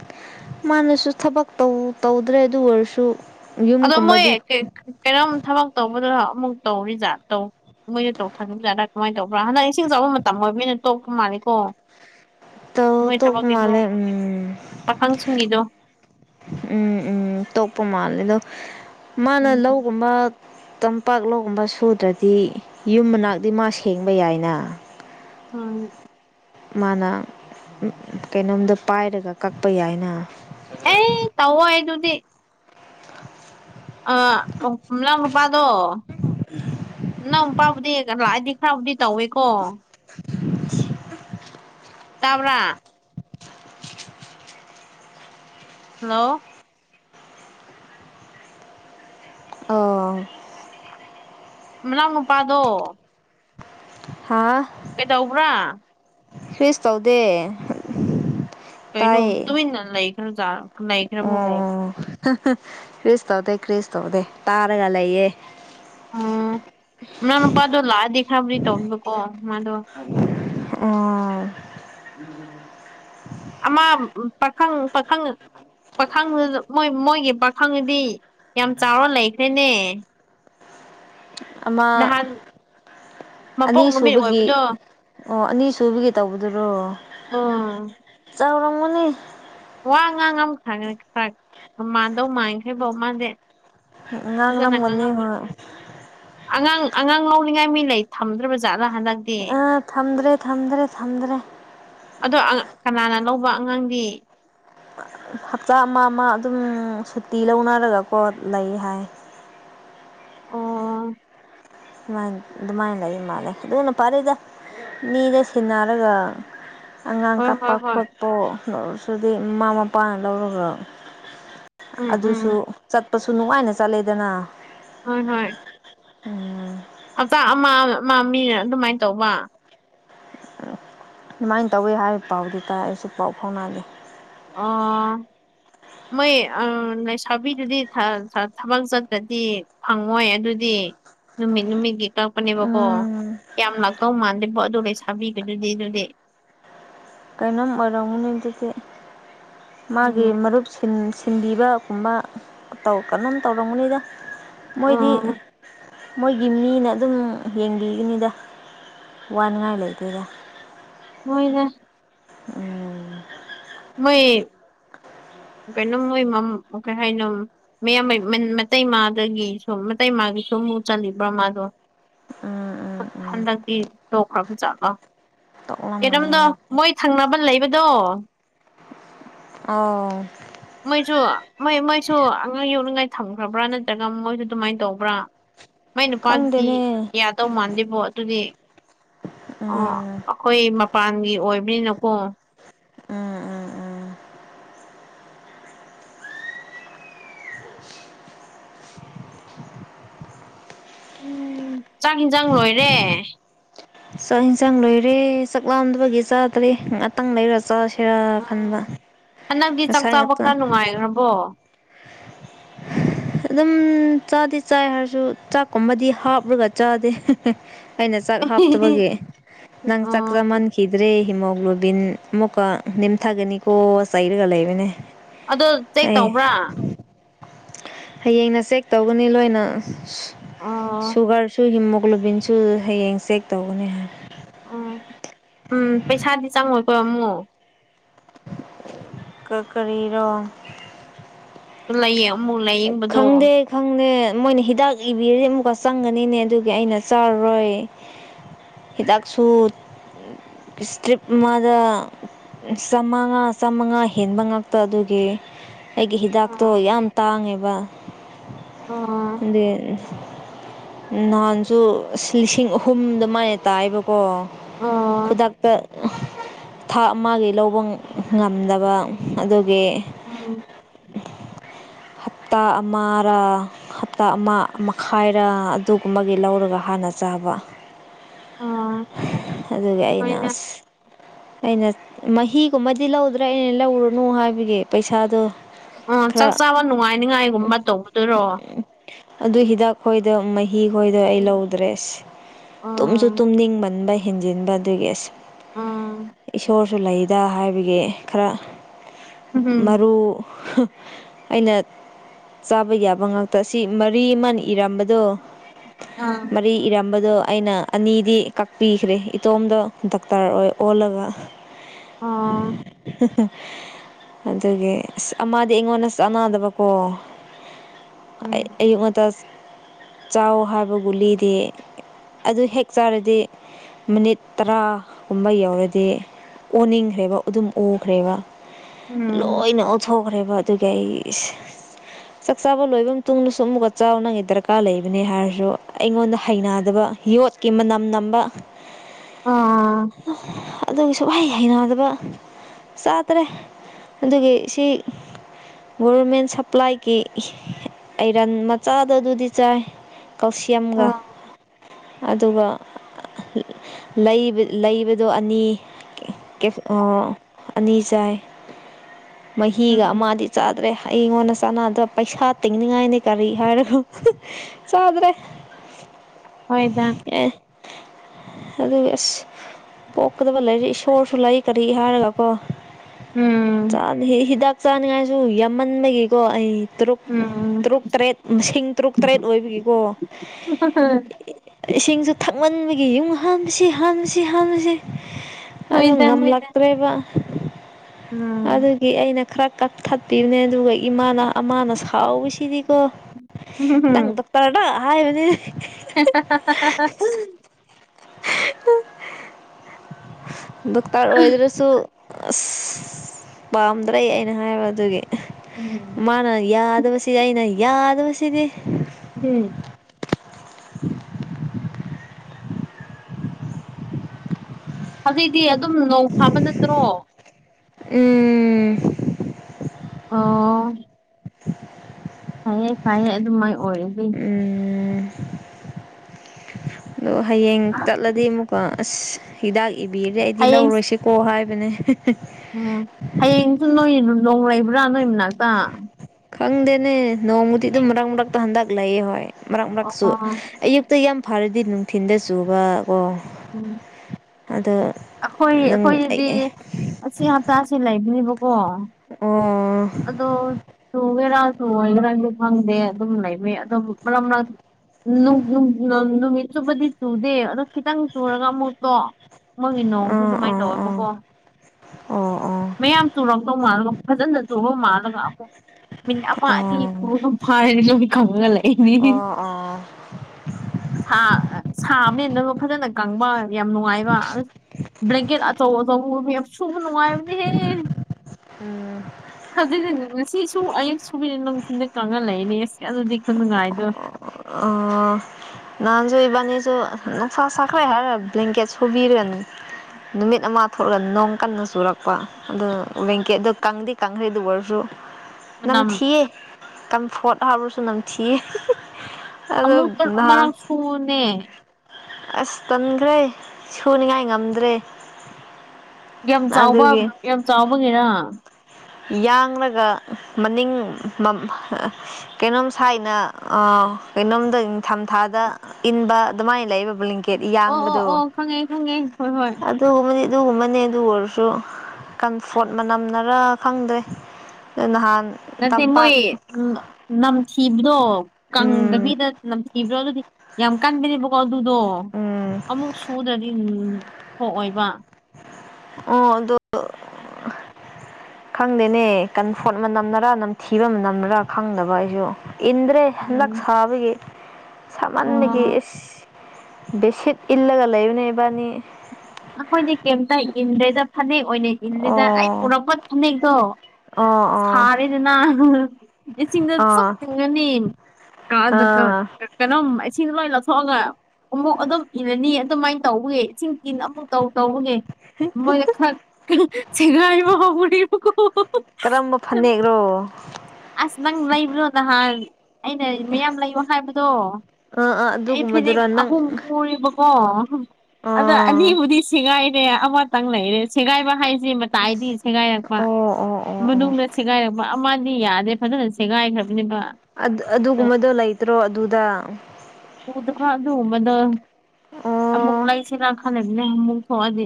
ꯃꯥꯅꯁꯨ ꯊꯕꯛꯧ ꯇꯧꯗ꯭ꯔꯦ ꯑꯗꯨ ꯑꯣꯏꯔꯁꯨ ꯑꯗꯣ ꯃꯣꯏ ꯌꯨꯝꯒꯨꯝꯕꯗꯤ ꯀꯩꯅꯣꯝ ꯊꯕꯛ ꯇꯧꯕꯗꯨ ꯑꯃꯨꯛ ꯇꯧ ꯔꯤꯖꯥ ꯇꯧ ꯃꯣꯏꯅ ꯇꯣꯛꯊꯈꯤꯕꯕꯖꯥꯠ꯭ꯔꯥ ꯀꯃꯥꯏꯅ ꯇꯧꯕ꯭ꯔꯥ ꯍꯟꯗꯛ ꯏꯁꯤꯡ ꯆꯥꯎꯥꯕ ꯃꯇꯝ ꯍꯣꯏ ꯃꯤꯣꯏꯅ ꯇꯣꯛꯄ ꯃꯥꯜꯂꯤꯀꯣ ꯇꯧ ꯇꯣ ꯃꯥꯅꯦ ꯎꯝ ꯄꯥꯈꯪꯁꯤꯡꯒꯤꯗꯣ ꯎꯝ ꯎꯝ ꯇꯨꯞꯄ ꯃꯥ ꯂꯩꯗꯣ ꯃꯥꯅ ꯎꯝ ꯂꯧꯒꯨꯝꯕ ꯄꯥꯛꯂꯣꯛꯒꯨꯝꯕ ꯁꯨꯗ꯭ꯔꯗꯤ ꯌꯨꯝ ꯃꯅꯥꯛꯇꯤ ꯃꯥ ꯁꯦꯡꯕ ꯌꯥꯏꯅ ꯑꯥ ꯃꯥꯅ ꯀꯩꯅꯣꯝꯗ ꯄꯥꯏꯔꯒ ꯀꯛꯄ ꯌꯥꯏꯅ ꯑꯦ ꯇꯧꯋꯦꯏ ꯑꯗꯨꯗꯤ (unintelligible) ꯏꯅꯥꯎꯄꯥꯕꯨꯗꯤ ꯂꯥꯛꯏꯗꯤ ꯈꯔꯕꯨꯗꯤ ꯇꯧꯋꯦꯀꯣ (inaudible) ꯇꯕ꯭ꯔꯥ ꯍꯂꯣ ꯑꯥꯎ ꯃꯅꯥꯎ ꯅꯨꯄꯥꯗꯣ (unintelligible) ꯀꯩꯗꯧꯕ꯭ꯔꯥ ꯐꯔꯦꯁ ꯇꯧꯗꯦ ꯀꯩꯅꯣ ꯇꯥꯏꯌꯦ ꯇꯨꯃꯤꯟꯅ ꯂꯩꯈ꯭ꯔꯥꯖꯥ ꯂꯩꯈ꯭ꯔꯥꯕꯣ ꯍꯥ ꯍꯥ ꯀꯔꯤꯁ ꯇꯧꯗꯦ ꯀꯔꯤꯁ ꯇꯧꯗꯦ ꯇꯔꯒ ꯂꯩꯌꯦ ꯎꯝ ꯃꯅꯥꯎ ꯅꯨꯄꯥꯗꯣ ꯂꯥꯛꯑꯗꯤ ꯈꯔꯕꯨꯗꯤ ꯇꯧꯕꯀꯣ ꯃꯥꯗꯣ ꯑ ꯑꯃ ꯄꯥꯈꯪ ꯄꯥꯈꯪ ꯄꯥꯈꯪꯗꯨꯖꯨ ꯃꯣꯏꯒꯤ ꯄꯥꯈꯪꯗꯤ ꯌꯥꯝ ꯆꯥꯎꯔ ꯂꯩꯈ꯭ꯔꯦꯅꯦ ꯑꯃ ꯅꯍꯥꯟ ꯑꯅꯤ ꯃꯄꯣꯛ ꯅꯨꯃꯤꯠ ꯁꯨꯕꯒꯤ ꯑꯣꯏꯕꯗꯣ ꯑꯣ ꯑꯅꯤ ꯁꯕꯒꯤ ꯇꯧꯕꯗꯨꯔꯣ ꯎꯝ꯫ ꯃꯅꯦ ꯋꯥ ꯉꯥꯡ (unintelligible) ꯈꯔ ꯃꯥꯟꯗꯧ ꯃꯥꯟꯈꯔꯦꯕꯣ ꯃꯥꯖꯦ꯫ ꯐꯖꯅ ꯉꯥꯡꯂꯝꯒꯅꯤ ꯉꯥꯡꯉꯝ ꯍꯣꯏ ꯑꯉꯥꯡ ꯑꯉꯥꯡ ꯂꯧꯅꯤꯡꯉꯥꯏ ꯃꯤ ꯂꯩ ꯃꯤ ꯊꯝꯗ꯭ꯔꯕ ꯖꯥꯠꯂꯥ ꯍꯟꯗꯛꯇꯤ ꯑ ꯊꯝꯗ꯭ꯔꯦ ꯊꯝꯗ꯭ꯔꯦ ꯊꯝꯗ꯭ꯔꯦ ꯑꯗꯣ ꯑꯉꯥꯡ ꯀꯅꯥꯅ ꯂꯧꯕ ꯑꯉꯥꯡꯗꯤ꯫ ꯍꯞꯇꯥ ꯑꯃ ꯑꯃ ꯑꯗꯨꯝ ꯁꯨꯇꯤ ꯂꯧꯅꯔꯒꯀꯣ ꯂꯩ ꯍꯥꯏ (unintelligible) ꯑꯣ ꯃꯥꯅꯤ ꯑꯗꯨꯃꯥꯏꯅ ꯂꯩ ꯃꯥꯂꯦ ꯑꯗꯨꯅ ꯐꯔꯦꯗ꯫ ꯃꯤꯗ ꯁꯤꯟꯅꯔꯒ ꯑꯉꯥꯡ ꯍꯣꯏ ꯀꯥꯞꯄ ꯍꯣꯏ ꯍꯣꯏ ꯈꯣꯠꯄ‌ꯣ ꯁꯨꯗꯤ ꯃꯃꯥ ꯃꯄꯥꯅ ꯂꯧꯔꯒ ꯎꯝ ꯎꯝ ꯑꯗꯨꯁꯨ ꯆꯠꯄꯁꯨ ꯅꯨꯡꯉꯥꯏꯅ ꯆꯠꯂꯦꯗꯅ ꯍꯣꯏ ꯍꯣꯏ ꯎꯝ ꯍꯞꯇꯥ ꯑꯃ ꯑꯃ ꯃꯤꯅ ꯑꯗꯨꯃꯥꯏꯅ ꯇꯧꯕ ꯑꯗꯨꯃꯥꯏꯅ ꯇꯧꯋꯤ ꯍꯥꯏ ꯄꯥꯎꯗꯤ ꯇꯥꯏ ꯑꯩꯁꯨ ꯄꯥꯎ ꯐꯥꯎꯅꯗꯦ ꯑꯣ ꯃꯣꯏ ꯂꯩꯁꯥꯕꯤꯗꯨꯗꯤ ꯊ ꯊꯕꯛ ꯆꯠꯄꯗꯤ ꯐꯪꯉꯣꯏ ꯑꯗꯨꯗꯤ ꯅꯨꯃꯤꯠ ꯅꯨꯃꯤꯠꯀꯤ ꯇꯛꯄꯅꯦꯕꯀꯣ ꯎꯝ ꯀꯌꯥꯝ ꯉꯥꯛꯇꯧ ꯃꯥꯟꯗꯦꯕꯣ ꯑꯗꯨꯒ ꯄꯩꯁꯥꯕꯤꯕꯗꯨꯗꯤ ꯑꯗꯨꯗꯤ ꯀꯩꯅꯣꯝ ꯑꯣꯏꯔꯝꯒꯅꯤ ꯑꯗꯨꯗꯤ ꯃꯥꯒꯤ ꯎꯝ ꯃꯔꯨꯞꯁꯤꯡꯟꯁꯤ ꯊꯤꯟꯕꯤꯕꯒꯨꯝꯕ ꯇꯧ ꯀꯩꯅꯣꯝ ꯇꯧꯔꯝꯒꯅꯤꯗ ꯃꯣꯏꯗꯤ ꯎꯝ ꯃꯣꯏꯒꯤ ꯃꯤꯅ ꯑꯗꯨꯝ ꯌꯦꯡꯕꯤꯒꯅꯤꯗ ꯋꯥꯏ ꯉꯥꯏ ꯂꯩꯇꯣꯏꯗ ꯃꯣꯏꯅ ꯎꯝ ꯃꯌꯦꯛ ꯎꯝ ꯀꯩꯅꯣ ꯃꯣꯏ ꯃꯝ ꯀꯩ ꯍꯥꯏꯅꯣ ꯃꯌꯥꯝꯕꯩ ꯃꯇꯩ ꯃꯥꯗꯒꯤ ꯁꯨꯝ ꯃꯇꯩ ꯃꯥꯒꯤ ꯁꯨꯝ ꯆꯪꯕ꯭ꯔꯣꯃ ꯑꯗꯨꯣ ꯎꯝ ꯎꯝ ꯎꯝ ꯇꯣꯛꯈ꯭ꯔꯕꯖꯥꯠꯂꯣ ꯇꯣꯛꯂꯝꯒꯅꯤ ꯀꯔꯝꯅꯣ ꯍꯟꯗꯛꯇꯤ ꯃꯣꯏ ꯊꯪꯅꯕ ꯂꯩꯕꯗꯣ ꯑ ꯃꯣꯏꯁꯨ ꯃꯣꯏ ꯃꯣꯏꯁꯨ ꯑꯉꯥꯡ ꯌꯧꯅꯉꯥꯏ ꯊꯝꯈ꯭ꯔꯕ꯭ꯔꯥ ꯅꯠꯇ꯭ꯔꯒ ꯃꯣꯏꯁꯨ ꯑꯗꯨꯃꯥꯏꯅ ꯇꯧꯕ꯭ꯔꯥ ꯃꯥꯏ ꯅꯨꯄꯥꯗꯨꯗꯤ ꯈꯪꯗꯦꯅꯦ ꯌꯥꯗꯧ ꯃꯥꯟꯗꯦꯕꯣ ꯑꯗꯨꯗꯤ ꯑ ꯎꯝ ꯑꯩꯈꯣꯏ ꯃꯄꯥꯟꯒꯤ ꯑꯣꯏꯕꯅꯤꯅꯀꯣ ꯎꯝ ꯎꯝ ꯎꯝ ꯎꯝ ꯆꯥꯛ ꯌꯦꯟꯁꯥꯡ ꯂꯣꯏꯔꯦ ꯆꯥꯛ ꯏꯟꯁꯥꯡ ꯂꯣꯏꯔꯦ ꯆꯥꯛ ꯂꯥꯝꯗꯕꯒꯤ ꯆꯥꯗꯔꯦ ꯉꯍꯥꯛꯇꯪ ꯂꯩꯔ ꯆꯁꯤꯔꯥ ꯎꯝ ꯈꯟꯕ ꯍꯟꯗꯛꯇꯤ ꯆꯥꯛ ꯉꯁꯥꯏ ꯆꯥꯕ ꯉꯥꯛꯇ ꯈꯔ ꯅꯨꯡꯉꯥꯏꯈ꯭ꯔꯕꯣ (unintelligible) ꯑꯗꯨꯝ ꯆꯥꯗꯤꯦ ꯆꯥꯏ ꯍꯥꯏꯔꯁꯨ ꯆꯥꯛꯀꯨꯝꯕꯗꯤ ꯍꯥꯞꯔꯒ ꯆꯥꯗꯦ ꯑꯩꯅ ꯆꯥꯛ ꯍꯥꯞꯇꯕꯒꯤ ꯅꯪ ꯆꯥꯛ ꯎꯝ ꯆꯥꯃꯟꯈꯤꯗ꯭ꯔꯦ ꯍꯤꯃꯣꯒ꯭ꯂꯣꯕꯤꯟ ꯑꯃꯨꯛꯀ ꯅꯦꯝꯊꯒꯅꯤꯀꯣ ꯆꯩꯔꯒ ꯂꯩꯕꯅꯦ ꯑꯗꯣ ꯆꯦꯛ ꯑꯩ ꯇꯧꯕ꯭ꯔꯥ ꯍꯌꯦꯡꯅ ꯆꯦꯛ ꯇꯧꯒꯅꯤ ꯂꯣꯏꯅ ꯑꯣ ꯁꯨꯒꯔꯁꯨ ꯍꯃꯨꯛ ꯒ꯭ꯂꯣꯕꯤꯟꯁꯨ ꯍꯌꯦꯡ ꯆꯦꯛ ꯇꯧꯒꯅꯤ ꯍꯥꯏ ꯎ ꯎꯝ ꯄꯩꯁꯥꯗꯤ ꯆꯪꯉꯣꯏ ꯈꯣ ꯑꯃꯃꯛ ꯀ ꯀꯔꯤꯔꯣ ꯂꯩꯌꯦ ꯑꯃꯨꯛ ꯂꯥꯏꯌꯦꯡꯕꯗꯣ ꯈꯪꯗꯦ ꯈꯪꯗꯦ ꯃꯣꯏꯅ ꯍꯤꯗꯥꯛ ꯏꯕꯤꯔꯤ ꯑꯃꯨꯛꯀ ꯆꯪꯒꯅꯤꯅꯦ ꯑꯗꯨꯒꯤ ꯑꯩꯅ ꯆꯥꯔꯔꯣꯏ ꯍꯤꯗꯥꯛꯁꯨ ꯏꯁꯇ꯭ꯔꯤꯞ ꯑꯃꯗ ꯆꯥꯃꯉꯥ ꯆꯥꯃꯉꯥ ꯍꯦꯟꯕ ꯉꯥꯛꯇ ꯑꯗꯨꯒꯤ ꯑꯩꯒꯤ ꯍꯤꯗꯥꯛꯇꯣ ꯎꯝ ꯌꯥꯝ ꯇꯥꯡꯉꯦꯕ ꯑꯣ ꯑ ꯅꯍꯥꯟꯁꯨ ꯑ ꯂꯤꯁꯤꯡ ꯑꯍꯨꯝ ꯑꯗꯨ ꯃꯥꯏꯅ ꯇꯥꯏꯕ ꯑꯣ ꯑꯣ ꯈꯨꯗꯛꯇ ꯊꯥꯛ ꯑꯃꯒꯤ ꯂꯧꯕ ꯉꯝꯗꯕ ꯑꯗꯨꯒ ꯎꯝ ꯍꯞꯇꯥ ꯑꯃꯔꯥ ꯍꯞꯇꯥ ꯑꯃ ꯃꯈꯥꯏꯔ ꯑꯗꯨꯒꯨꯝꯕꯒꯤ ꯂꯧꯔꯒ ꯍꯥꯟꯅ ꯆꯥꯕ ꯑꯣ ꯑꯗꯨꯗꯒꯤ ꯍꯣꯏꯗ ꯑꯩꯅꯁ ꯑꯩꯅ ꯃꯍꯤꯒꯨꯝꯕꯗꯤ ꯂꯧꯗ꯭ꯔꯦ ꯑꯩꯅ ꯂꯧꯔꯨꯅꯨ ꯍꯥꯏꯕꯒꯤ ꯄꯩꯁꯥꯗꯣ ꯑꯣ ꯈꯔ ꯆꯥꯛ ꯆꯥꯕ ꯅꯨꯡꯉꯥꯏꯅꯤꯉꯥꯏꯒꯨꯝꯕ ꯇꯧꯕꯗꯨꯔꯣ ꯑꯗꯨ ꯍꯤꯗꯥꯛ ꯑꯩꯈꯣꯏꯗ ꯃꯩ ꯃꯍꯤ ꯈꯣꯏꯗꯣ ꯑꯩ ꯎꯝ ꯂꯧꯗ꯭ꯔꯦꯁ ꯇꯨꯝꯁꯨ ꯎꯝ ꯇꯨꯝꯅꯤꯡꯃꯟꯕ ꯍꯦꯟꯖꯤꯟꯕ ꯑꯗꯨꯒꯤ ꯑꯁ ꯏꯁꯣꯔꯁꯨ ꯂꯩꯗ ꯍꯥꯏꯕꯒꯤ ꯈꯔ ꯎꯝ ꯃꯔꯨ ꯑꯩꯅ ꯆꯥꯕ ꯌꯥꯕ ꯉꯥꯛꯇ ꯑꯁꯤ ꯃꯔꯤ ꯑꯃꯅ ꯏꯔꯝꯕꯗꯣ ꯑ ꯃꯔꯤ ꯏꯔꯝꯕꯗꯣ ꯑꯩꯅ ꯑꯅꯤꯗꯤ ꯀꯛꯄꯤꯈ꯭ꯔꯦ ꯏꯇꯣꯝꯗ ꯗꯥꯛꯇꯔ ꯑꯣꯏ ꯑꯣꯜꯂꯒ ꯑꯗꯨꯒꯤ ꯑ ꯑꯃꯗꯤ ꯑꯩꯉꯣꯟꯗ ꯆꯥꯟꯅꯗꯕꯀꯣ ꯑꯩ ꯎꯝ ꯑꯌꯨꯛ ꯉꯇꯥ ꯆꯥꯎ ꯍꯥꯏꯕ ꯒꯨꯂꯤꯗꯤ ꯑꯗꯨ ꯍꯦꯛ ꯆꯥꯔꯗꯤ ꯃꯤꯅꯤꯠ ꯇꯔꯥꯒꯨꯝꯕ ꯌꯧꯔꯗꯤ ꯑꯣꯅꯤꯡꯈ꯭ꯔꯦꯕ ꯑꯗꯨꯝ ꯑꯣꯈ꯭ꯔꯦꯕ ꯎꯝ ꯂꯣꯏꯅ ꯎꯠꯊꯣꯛꯈ꯭ꯔꯦꯕ ꯑꯗꯨꯒꯤ ꯑꯩꯁꯦ ꯆꯥꯛ ꯆꯥꯕ ꯂꯣꯏꯕꯨꯡꯗꯁꯨ ꯑꯃꯨꯛꯀ ꯆꯥꯎꯅꯉꯒꯤ ꯗꯔꯀꯥꯔ ꯂꯩꯕꯅꯤ ꯍꯥꯏꯔꯁꯨ ꯑꯩꯉꯣꯟꯗ ꯍꯩꯅꯗꯕ ꯌꯣꯠꯀꯤ ꯃꯅꯝ ꯅꯝꯕ ꯑꯣ ꯑꯗꯨꯒꯤ ꯁꯨꯡꯍꯩ ꯍꯩꯅꯗꯕ ꯆꯥꯗ꯭ꯔꯦ ꯑꯗꯨꯒꯤ ꯁꯤ ꯒꯣꯔꯃꯦꯟ ꯁꯄ꯭ꯂꯥꯏꯒꯤ ꯑꯥꯏꯔꯟ ꯃꯆꯥꯗ ꯑꯗꯨꯗꯤ ꯆꯥꯏ ꯑꯣ (inaudible) ꯑꯗꯨꯒ ꯂꯩꯕꯗꯣ ꯑꯅꯤ ꯑꯅꯤ ꯆꯥꯏ ꯃꯍꯤꯒ ꯑꯃ ꯎꯝ ꯑꯩ ꯆꯥꯗ꯭ꯔꯦ ꯑꯩꯉꯣꯟꯗ ꯆꯥꯅꯕꯗ꯭ꯔ ꯄꯩꯁꯥ ꯇꯤꯡꯅꯤꯡꯉꯥꯏꯅꯤ ꯀꯔꯤ ꯍꯥꯏꯔꯒ ꯆꯥꯗ꯭ꯔꯦ (unintelligible) ꯍꯣꯏꯗ ꯑꯦ ꯑꯁ ꯄꯣꯛꯗꯕ ꯁꯣꯔꯁꯨ ꯂꯩ ꯀꯔꯤ ꯍꯥꯏꯔꯒꯀꯣ ꯎꯝ ꯍꯤꯗꯥꯛ ꯆꯥꯅꯤꯡꯉꯥꯏ ꯁꯨ ꯌꯥꯝꯃꯟꯕꯒꯤꯀꯣ ꯑꯩ ꯇꯔꯨꯛ ꯎꯝ ꯇꯔꯨꯛ ꯇꯔꯦꯠ ꯃꯁꯤꯡ ꯇꯔꯨꯛ ꯇꯔꯦꯠ ꯑꯣꯏꯕꯒꯤꯀꯣ ꯏꯁꯤꯡꯁꯨ ꯊꯛꯃꯟꯕꯒꯤ ꯑꯩꯒꯤ ꯌꯨꯡ ꯍꯥꯟꯕꯁꯤ ꯍꯥꯟꯕꯁꯤ ꯍꯥꯟꯕꯁꯤ ꯑꯗꯣ ꯍꯣꯏꯗ ꯍꯣꯏꯗ ꯉꯝꯂꯛꯇ꯭ꯔꯦꯕ ꯎꯝ ꯑꯗꯨꯒꯤ ꯑꯩꯅ ꯈꯔ ꯀꯛꯊꯠꯄꯤꯕꯅꯦ ꯑꯗꯨꯒ ꯏꯃꯥꯅ ꯑꯃꯅ ꯁꯥꯎꯤꯁꯤꯗꯤꯀꯣ ꯅꯪ ꯗꯣꯛꯇꯔꯗ ꯍꯥꯏꯕꯅꯤ ꯍ ꯇ ꯇ ꯇ ꯇ ꯇ ꯎ ꯗꯣꯛꯇꯔ ꯑꯣꯏꯗ꯭ꯔꯁꯨ ꯑꯁ ꯄꯥꯝꯗ꯭ꯔꯦ ꯑꯩꯅ ꯍꯥꯏꯕ ꯑꯗꯨꯒꯤ ꯎꯝ ꯃꯥꯅ ꯌꯥꯗꯕꯁꯤꯗꯤ ꯑꯩꯅ ꯌꯥꯗꯕꯁꯤꯗꯤ ꯎꯝ (inaudible) ꯑꯗꯨꯑꯣꯩꯗꯤ ꯑꯗꯨꯝ ꯅꯧ ꯐꯥꯕ ꯅꯠꯇ꯭ꯔꯣ ꯎꯝ ꯑꯣ ꯐꯩꯌꯦꯦ ꯐꯩꯌꯦ ꯑꯗꯨꯃꯥꯏ ꯑꯣꯏꯔꯗꯤ ꯎꯝ ꯑꯗꯣ ꯍꯌꯦꯡ ꯇꯠꯂꯗꯤ ꯑꯃꯨꯛꯀꯣ ꯑꯁ ꯍꯤꯗꯥꯛ ꯏꯕꯤꯔꯦ ꯑꯩꯗꯤ ꯍꯌꯦꯡ ꯂꯧꯔꯣꯏꯁꯤꯀꯣ ꯍꯥꯏꯕ ꯑꯗꯨꯅꯦ ꯎꯝ ꯍꯌꯦꯡꯁꯨ ꯅꯣꯏ ꯂꯣꯡ ꯂꯩꯕ꯭ꯔꯥ ꯅꯣꯏ ꯃꯅꯥꯛꯇ ꯈꯪꯗꯦꯅꯦ ꯅꯣꯡꯃꯗꯤ ꯑꯗꯨꯝ ꯃꯔꯛ ꯃꯔꯛꯇ ꯍꯟꯗꯛ ꯂꯩꯌꯦ ꯍꯣꯏ ꯃꯔꯛ ꯑꯣ ꯃꯔꯛꯁꯨ ꯑꯌꯨꯛꯇ ꯌꯥꯝ ꯐꯔꯗꯤ ꯅꯨꯡꯊꯤꯤꯟꯗ ꯆꯨꯕ ꯀꯣ ꯎꯝ ꯑꯩꯈꯣꯏ ꯑꯩꯈꯣꯏꯒꯤꯗꯤ ꯑꯩ ꯑꯁꯤ ꯍꯞꯇꯥꯁꯤ ꯂꯩꯕꯅꯦꯕꯀꯣ ꯑꯣ ꯑꯗꯣ ꯇꯋꯦꯔ ꯨ ꯑꯣꯏꯒ꯭ꯔꯥꯗꯤ ꯈꯪꯗꯦ ꯑꯗꯨꯝ ꯂꯩꯃꯤ ꯑꯗꯨꯝ ꯃꯔ ꯃꯔ ꯅꯨꯃꯤꯠ ꯆꯨꯕꯗꯤ ꯆꯨꯗꯦ ꯑꯗꯣ ꯈꯤꯇꯪ ꯆꯨꯔꯒ ꯑꯃꯨꯛꯇꯣ ꯃꯣꯏꯒꯤ ꯅꯣꯡꯗꯤ ꯑꯥ ꯑꯗꯨꯃꯥꯏꯅ ꯑꯥ ꯑꯥ ꯇꯧꯔꯒꯀꯣ ꯑꯣ ꯑꯣ ꯃꯌꯥꯝ ꯆꯨꯔꯧꯗꯧ ꯃꯥꯜꯂꯣ ꯐꯖꯅ ꯇ ꯃꯥꯅꯒꯕ ꯃꯤꯅ ꯑꯣ ꯑꯃꯅꯤ ꯄ ꯑꯗꯨꯝ ꯐꯥꯔꯅꯤ ꯂꯃꯤ ꯈꯪꯉꯒ ꯂꯩꯅꯤꯗꯤ ꯑꯣ ꯑꯣ ꯁꯥꯕꯅꯦ ꯅ ꯐꯖꯅ ꯀꯪꯕ ꯌꯥꯝ ꯅꯨꯡꯉꯥꯏꯕ ꯑ ꯕ꯭ꯂꯦꯡꯀꯦꯠ ꯑꯆꯧ ꯑꯆꯧꯕ ꯃꯤ ꯌꯥꯝ ꯁꯨꯕ ꯅꯨꯡꯉꯥꯏꯕꯅꯦꯍꯦ ꯎꯝ ꯈꯖꯤꯛꯖꯤ ꯉꯁꯤꯁꯨ ꯑꯌꯨꯛ ꯁꯨꯕꯤꯗ ꯅꯨꯡꯊꯤꯟꯗ ꯀꯪꯍꯜꯂꯛꯏꯅꯦ ꯑꯦꯁ ꯑꯗꯨꯗꯤ ꯈꯨꯅꯨꯡꯉꯥꯏꯗꯣ ꯅꯥꯟꯖꯨꯕꯅꯤꯁꯨ ꯆꯈ꯭ꯔꯦ ꯍꯥꯏꯔ ꯭ꯂꯀꯦꯠ ꯐꯨꯕꯤꯔꯒꯅꯤ ꯅꯨꯃꯤꯠ ꯑꯃ ꯊꯣꯛꯂꯒ ꯅꯣꯡ ꯀꯟꯅ ꯆꯨꯔꯛꯄ ꯑꯗꯨꯗꯣ ꯦꯦꯡꯀꯦ ꯑꯗꯨꯣ ꯀꯪꯗꯤ ꯀꯪꯔꯤꯦ ꯑꯗꯨ ꯋꯥꯔꯁꯨꯁꯨ ꯅꯝ ꯃꯅꯝ ꯊꯤꯦ ꯀꯝꯐꯣꯔꯠ ꯍꯥꯏꯕꯁꯨ ꯅꯝꯊꯤꯌꯦ ꯑꯗꯨ ꯑꯃꯨꯛ ꯅꯍꯥꯟ ꯑꯃꯥꯡ ꯁꯨꯅꯦ ꯑꯁ ꯇꯟꯈ꯭ꯔꯦ ꯁꯨꯅꯤꯉꯥꯏ ꯉꯝꯗ꯭ꯔꯦ ꯌꯥꯝ ꯆꯥꯎꯕ ꯑꯗꯨꯒꯤ ꯌꯥꯝ ꯆꯥꯎꯕꯒꯤꯔ ꯌꯥꯡꯂꯒ ꯃꯅꯤꯡ ꯀꯩꯅꯣꯝ ꯁꯥꯏꯅ ꯀꯩꯅꯣꯝꯗ ꯅꯤꯡꯊꯝꯊꯥꯗ ꯏꯟꯕ ꯑꯗꯨꯃꯥꯏꯅ ꯂꯩꯕꯕꯨ ꯑꯣ ꯑꯣ ꯌꯥꯡꯕꯗꯣ ꯑꯣ ꯈꯪꯉꯦ ꯈꯪꯉꯦ ꯍꯣꯏ ꯍꯣꯏ ꯑꯗꯨ ꯑꯗꯨꯒꯨꯝꯕꯅꯦ ꯑꯗꯨ ꯑꯣꯏꯔꯁꯨ ꯀꯟꯐꯣꯔꯠ ꯃꯅꯝꯅꯔ ꯈꯪꯗ꯭ꯔꯦ ꯑꯗꯨ ꯅꯍꯥꯟ ꯅꯠꯇꯦ ꯇꯝꯄꯥꯛ ꯃꯣꯏ ꯅꯝꯊꯤꯕ꯭ꯔꯣ ꯎꯝ ꯀꯪꯗꯕꯤꯗ ꯅꯝꯊꯤꯕ꯭ꯔꯣ ꯑꯗꯨꯗꯤ ꯌꯥꯝ ꯀꯟꯕꯅꯦꯕꯀꯣ ꯑꯗꯨꯗꯣ ꯎꯝ ꯑꯃꯨꯛ ꯁꯨꯗ꯭ꯔꯗꯤꯝ ꯍꯑꯣꯏꯕ ꯑꯣ ꯑꯗꯨ ꯑ ꯈꯪꯗꯦꯅꯦ ꯀꯟꯐꯣꯠ ꯑꯃ ꯅꯝꯅꯔꯥ ꯅꯝꯊꯤꯕ ꯑꯃ ꯅꯝꯅꯔꯥ ꯈꯪꯗꯕ ꯑꯩꯁꯨ ꯏꯟꯗ꯭ꯔꯦ ꯍꯟꯗꯛ ꯎꯝ ꯁꯥꯕꯒꯤ ꯁꯃꯟꯒꯤ ꯑꯣ ꯑꯦ ꯕꯦꯁꯤꯠ ꯏꯜꯂꯒ ꯂꯩꯕꯅꯦ ꯏꯕꯥꯅꯤ ꯑꯩꯈꯣꯏꯗꯤ ꯀꯩꯇ ꯏꯟꯗ꯭ꯔꯦꯗ ꯐꯅꯦꯛ ꯑꯣꯏꯅ ꯏꯜꯜꯂꯤꯦꯗ ꯑꯩ ꯑꯣ ꯄꯨꯔꯛꯄ ꯐꯅꯦꯛꯇꯣ ꯑꯣ ꯑꯣ ꯁꯔꯦꯗꯅꯥ ꯏꯁꯤꯡꯗ ꯁꯛ ꯑꯥ ꯇꯤꯡꯒꯅꯤ ꯀꯛꯗ ꯀ ꯑꯥ ꯀꯛꯀꯅ ꯏꯁꯤꯡꯗ ꯂꯣꯏ ꯂ ꯊꯣꯛꯑꯒ ꯑꯃꯨꯛ ꯑꯗꯨꯝ ꯏꯔꯅꯤ ꯑꯗꯨꯃꯥꯏꯅ ꯇꯧꯕꯒꯤꯦ ꯏꯁꯤꯡ ꯇꯤꯟ ꯑꯃꯨꯛ ꯇꯧ ꯇꯧꯅꯦ ꯃ ꯈ ꯁꯤꯒ꯭ꯔ ꯍꯥꯏꯕ ꯍꯕꯨ ꯀꯔꯝꯕ ꯐꯅꯦꯛ꯭ꯔꯣ ꯑꯁ ꯅꯪ ꯂꯩꯕ꯭ꯔꯣ ꯅꯍꯥꯟ ꯑꯩꯅ ꯃꯌꯥꯝ ꯂꯩꯌꯣ ꯍꯥꯏꯕꯗꯣ ꯑꯥ ꯑꯥ ꯑꯩ ꯐꯅꯤ ꯑꯗꯨꯒꯨꯝꯕꯗꯨꯔ ꯅꯪ ꯑꯍꯨꯝ ꯃꯔꯤꯕ ꯑꯣ ꯑꯗ ꯑꯥ ꯑꯅꯤꯕꯨꯗꯤ ꯁꯦꯒꯥꯏꯔꯦ ꯑꯃꯇꯪ ꯂꯩꯔꯦ ꯁꯦꯒꯥꯏꯕ ꯍꯥꯏꯁꯦ ꯆꯦ ꯃꯇꯥꯏꯗꯤ ꯁꯦꯒꯥꯏꯔꯛꯄ ꯑꯣ ꯑꯣ ꯑꯣ ꯑꯣ ꯃꯅꯨꯡꯗ ꯁꯦꯒꯥꯏꯔꯛꯄ ꯑꯃꯗꯤ ꯌꯥꯔ ꯐ ꯁꯤꯁꯤꯡꯉꯥꯏ ꯑꯗꯨ ꯕ ꯑꯗꯨꯒꯨꯝꯕꯗꯣ ꯂꯩꯇ꯭ꯔꯣ ꯑꯗꯨꯗ ꯎꯗ ꯑꯗꯨ ꯃꯗꯣ ꯑꯃꯨꯛ ꯑꯣ ꯂꯩꯁꯤꯅ ꯈꯜꯂꯅꯤꯅꯦ ꯑꯃꯨꯛ ꯊꯣꯛꯑꯗꯤ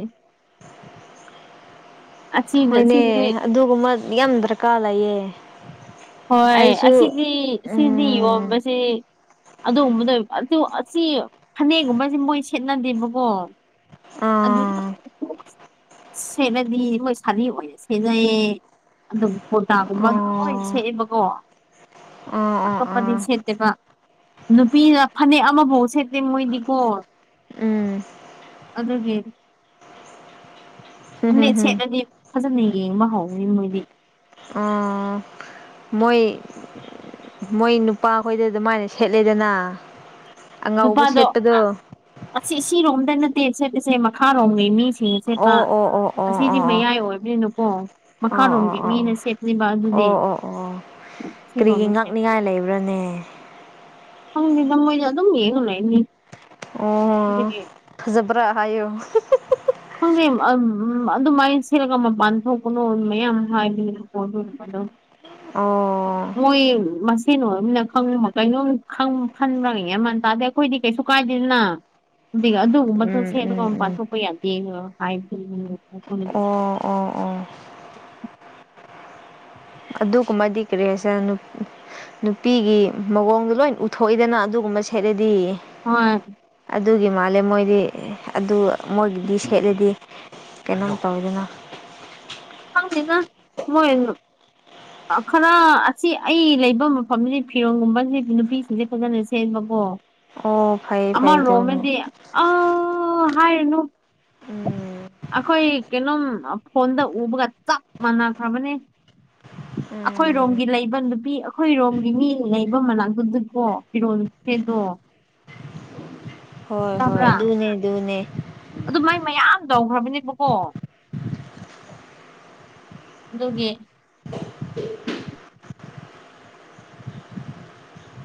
ꯑꯁꯤꯗ ꯍꯣꯏꯅꯦ ꯁꯤꯗꯤ ꯑꯗꯨꯒꯨꯝꯕ ꯌꯥꯝ ꯗꯔꯀꯥꯔ ꯂꯩꯌꯦ ꯍꯣꯏ ꯑꯩꯁꯨ ꯑꯁꯤꯗꯤ ꯁꯤꯅꯤ ꯎꯝ ꯌꯣꯟꯕꯁꯤ ꯑꯗꯨꯒꯕꯗꯣ ꯑꯗꯨ ꯑꯁꯤ ꯐꯅꯦꯛꯒꯨꯝꯕꯁꯦ ꯃꯣꯏ ꯁꯦꯠꯅꯗꯦꯕꯀꯣ ꯑꯗꯨꯗꯤ ꯑꯥ ꯁꯦꯠꯅꯗꯤ ꯃꯣꯏ ꯁꯥꯅꯤ ꯑꯣꯏꯅ ꯁꯦꯠꯅꯩꯌꯦ ꯑꯗꯨꯒ ꯀꯣꯔꯗꯥꯒꯨꯝꯕ ꯑꯗꯨꯝ ꯁ ꯑꯥ ꯣ ꯑꯥ ꯑꯥ ꯑꯥ ꯑꯇꯣꯞꯄꯗꯤ ꯁꯦꯠꯇꯦꯕ ꯅꯨꯄꯤꯅ ꯐꯅꯦꯛ ꯑꯃꯐꯥꯎ ꯁꯦꯠꯇꯦ ꯃꯣꯏꯗꯤꯀꯣ ꯎꯝ ꯑꯗꯨꯒꯤ ꯍꯨꯝ ꯐꯅꯠ ꯁꯦꯠꯂꯗꯤ ꯐꯖꯅ ꯌꯦꯡ ꯃꯍ ꯍꯧꯥꯎ ꯑ ꯃꯣꯏ ꯃꯣꯏ ꯅꯨꯄꯥ ꯈꯣꯏꯗ ꯑꯗꯨꯃꯥꯏꯅ ꯁꯦꯠꯂꯦꯗꯅ ꯑꯉꯧꯕ ꯅꯨꯄꯥꯗꯣ ꯁꯦꯠꯄꯗꯣ ꯑꯁꯤ ꯁꯤꯔꯣꯝꯗ ꯅꯠꯇꯦ ꯁꯠꯂꯤꯁꯦ ꯃꯈꯥꯔꯣꯝꯒꯤꯩ ꯃꯤ ꯁꯤꯦ ꯆꯦ ꯄ ꯑꯣ ꯑꯣ ꯑꯣ ꯑꯣ ꯑꯁꯤꯗꯤ ꯑꯣ ꯑꯣ ꯑꯣ ꯑꯣ ꯃꯌꯥꯏ ꯑꯣꯏꯕꯅꯤꯅꯨꯀꯣ ꯃꯈꯥꯔꯣꯝꯒꯤ ꯑꯣ ꯃꯤꯅ ꯁꯦꯠꯂꯤꯕ ꯑꯗꯨꯗꯤ ꯑꯣ ꯑꯣ ꯑꯣ ꯀꯔꯤꯒꯤ ꯁꯤꯔꯣꯝꯅ ꯉꯛꯅꯤꯉꯥꯏ ꯂꯩꯕ꯭ꯔꯅꯦ ꯍꯪꯅꯤ ꯅ ꯃꯣꯏ ꯑꯗꯨꯝ ꯌꯦꯅ ꯂꯩꯅꯤ ꯑꯣ ꯑꯗꯨꯒꯤ ꯐꯖꯕ꯭ꯔꯥ ꯍꯥꯏꯌꯨ ꯈꯪꯗꯦ ꯑꯗꯨꯃꯥꯏꯅ ꯁꯤꯂꯒ ꯃꯄꯥꯟ ꯊꯣꯛꯀꯅꯣ ꯃꯌꯥꯝ ꯍꯥꯏꯕꯤꯣꯝ ꯑꯣ ꯃꯣꯏ ꯀꯩꯅꯣꯕꯅꯕ ꯀꯩꯅꯣꯝ ꯈꯟꯕ꯭ꯔꯒ ꯃꯟ ꯇꯥꯗꯦ ꯑꯩꯈꯣꯏꯗꯤ ꯀꯩꯁꯨ ꯀꯥꯏꯗꯦꯗꯅ ꯑꯗꯨ ꯑꯗꯨꯒꯨꯝꯕꯗꯨꯣ ꯎꯝ ꯁꯦꯠꯅꯒ ꯎꯝ ꯎꯝ ꯄꯥꯡꯊꯣꯛꯄ ꯌꯥꯗꯦ ꯍꯥꯏꯕ ꯑꯣ ꯑꯣ ꯑꯣ ꯑꯗꯨꯒꯨꯝꯕꯗꯤ ꯀꯔꯤꯦꯁ ꯅꯨꯄꯤꯒꯤ ꯃꯑꯣꯡꯗꯣ ꯂꯣꯏ ꯎꯊꯣꯛꯏꯗꯅ ꯑꯗꯨꯒꯨꯝꯕ ꯁꯦꯠꯂꯗꯤ ꯍꯣꯏ ꯑꯗꯨꯒꯤ ꯃꯥꯜꯂꯦ ꯃꯣꯏꯗꯤ ꯑꯗꯨ ꯃꯣꯏꯒꯤꯗꯤ ꯁꯦꯠꯂꯦꯗꯤ ꯀꯩꯅꯣꯝ ꯇꯧꯋꯤꯗꯅ (unintelligible) ꯗ ꯃꯅꯣ ꯈꯔ ꯑꯁꯤ ꯑꯩ ꯂꯩꯕ ꯃꯐꯝꯁꯤ ꯐꯤꯔꯣꯒꯨꯝꯕꯕꯁꯤꯗꯤ ꯅꯨꯄꯤꯁꯤꯡꯁꯦ ꯐꯖꯅ ꯁꯦꯝꯕꯀꯣ ꯑꯣ ꯐꯩ ꯐꯩ ꯑꯥ ꯑꯗꯨꯅ ꯔꯣꯃꯦꯗꯤ ꯑ ꯍꯥꯏꯥꯏꯅꯨ ꯎꯝ ꯑꯩꯈꯣꯏ ꯀꯩꯅꯣꯝ ꯐꯣꯟꯗ ꯎꯕꯒ ꯆꯞ ꯃꯥꯟꯅꯈ꯭ꯔꯕꯅꯦ ꯎꯝ ꯑꯩꯈꯣꯏꯔꯣꯝꯒꯤ ꯂꯩꯕ ꯅꯨꯄꯤ ꯑꯩꯈꯣꯏꯔꯣꯝꯒꯤ ꯃꯤ ꯂꯩꯕ ꯃꯅꯥ ꯄꯨꯗꯨꯀꯣ ꯀꯔꯣ ꯀꯦꯗꯨꯣ ꯍꯣꯏ ꯍꯣꯏ ꯑꯗꯨꯅꯦ ꯑꯗꯨꯅꯦ ꯑꯗꯨ ꯃꯥꯏ ꯃꯌꯥꯝ ꯇꯧꯈ꯭ꯔꯕꯅꯦꯕꯀꯣ ꯑꯗꯨꯒꯤ (unintelligible)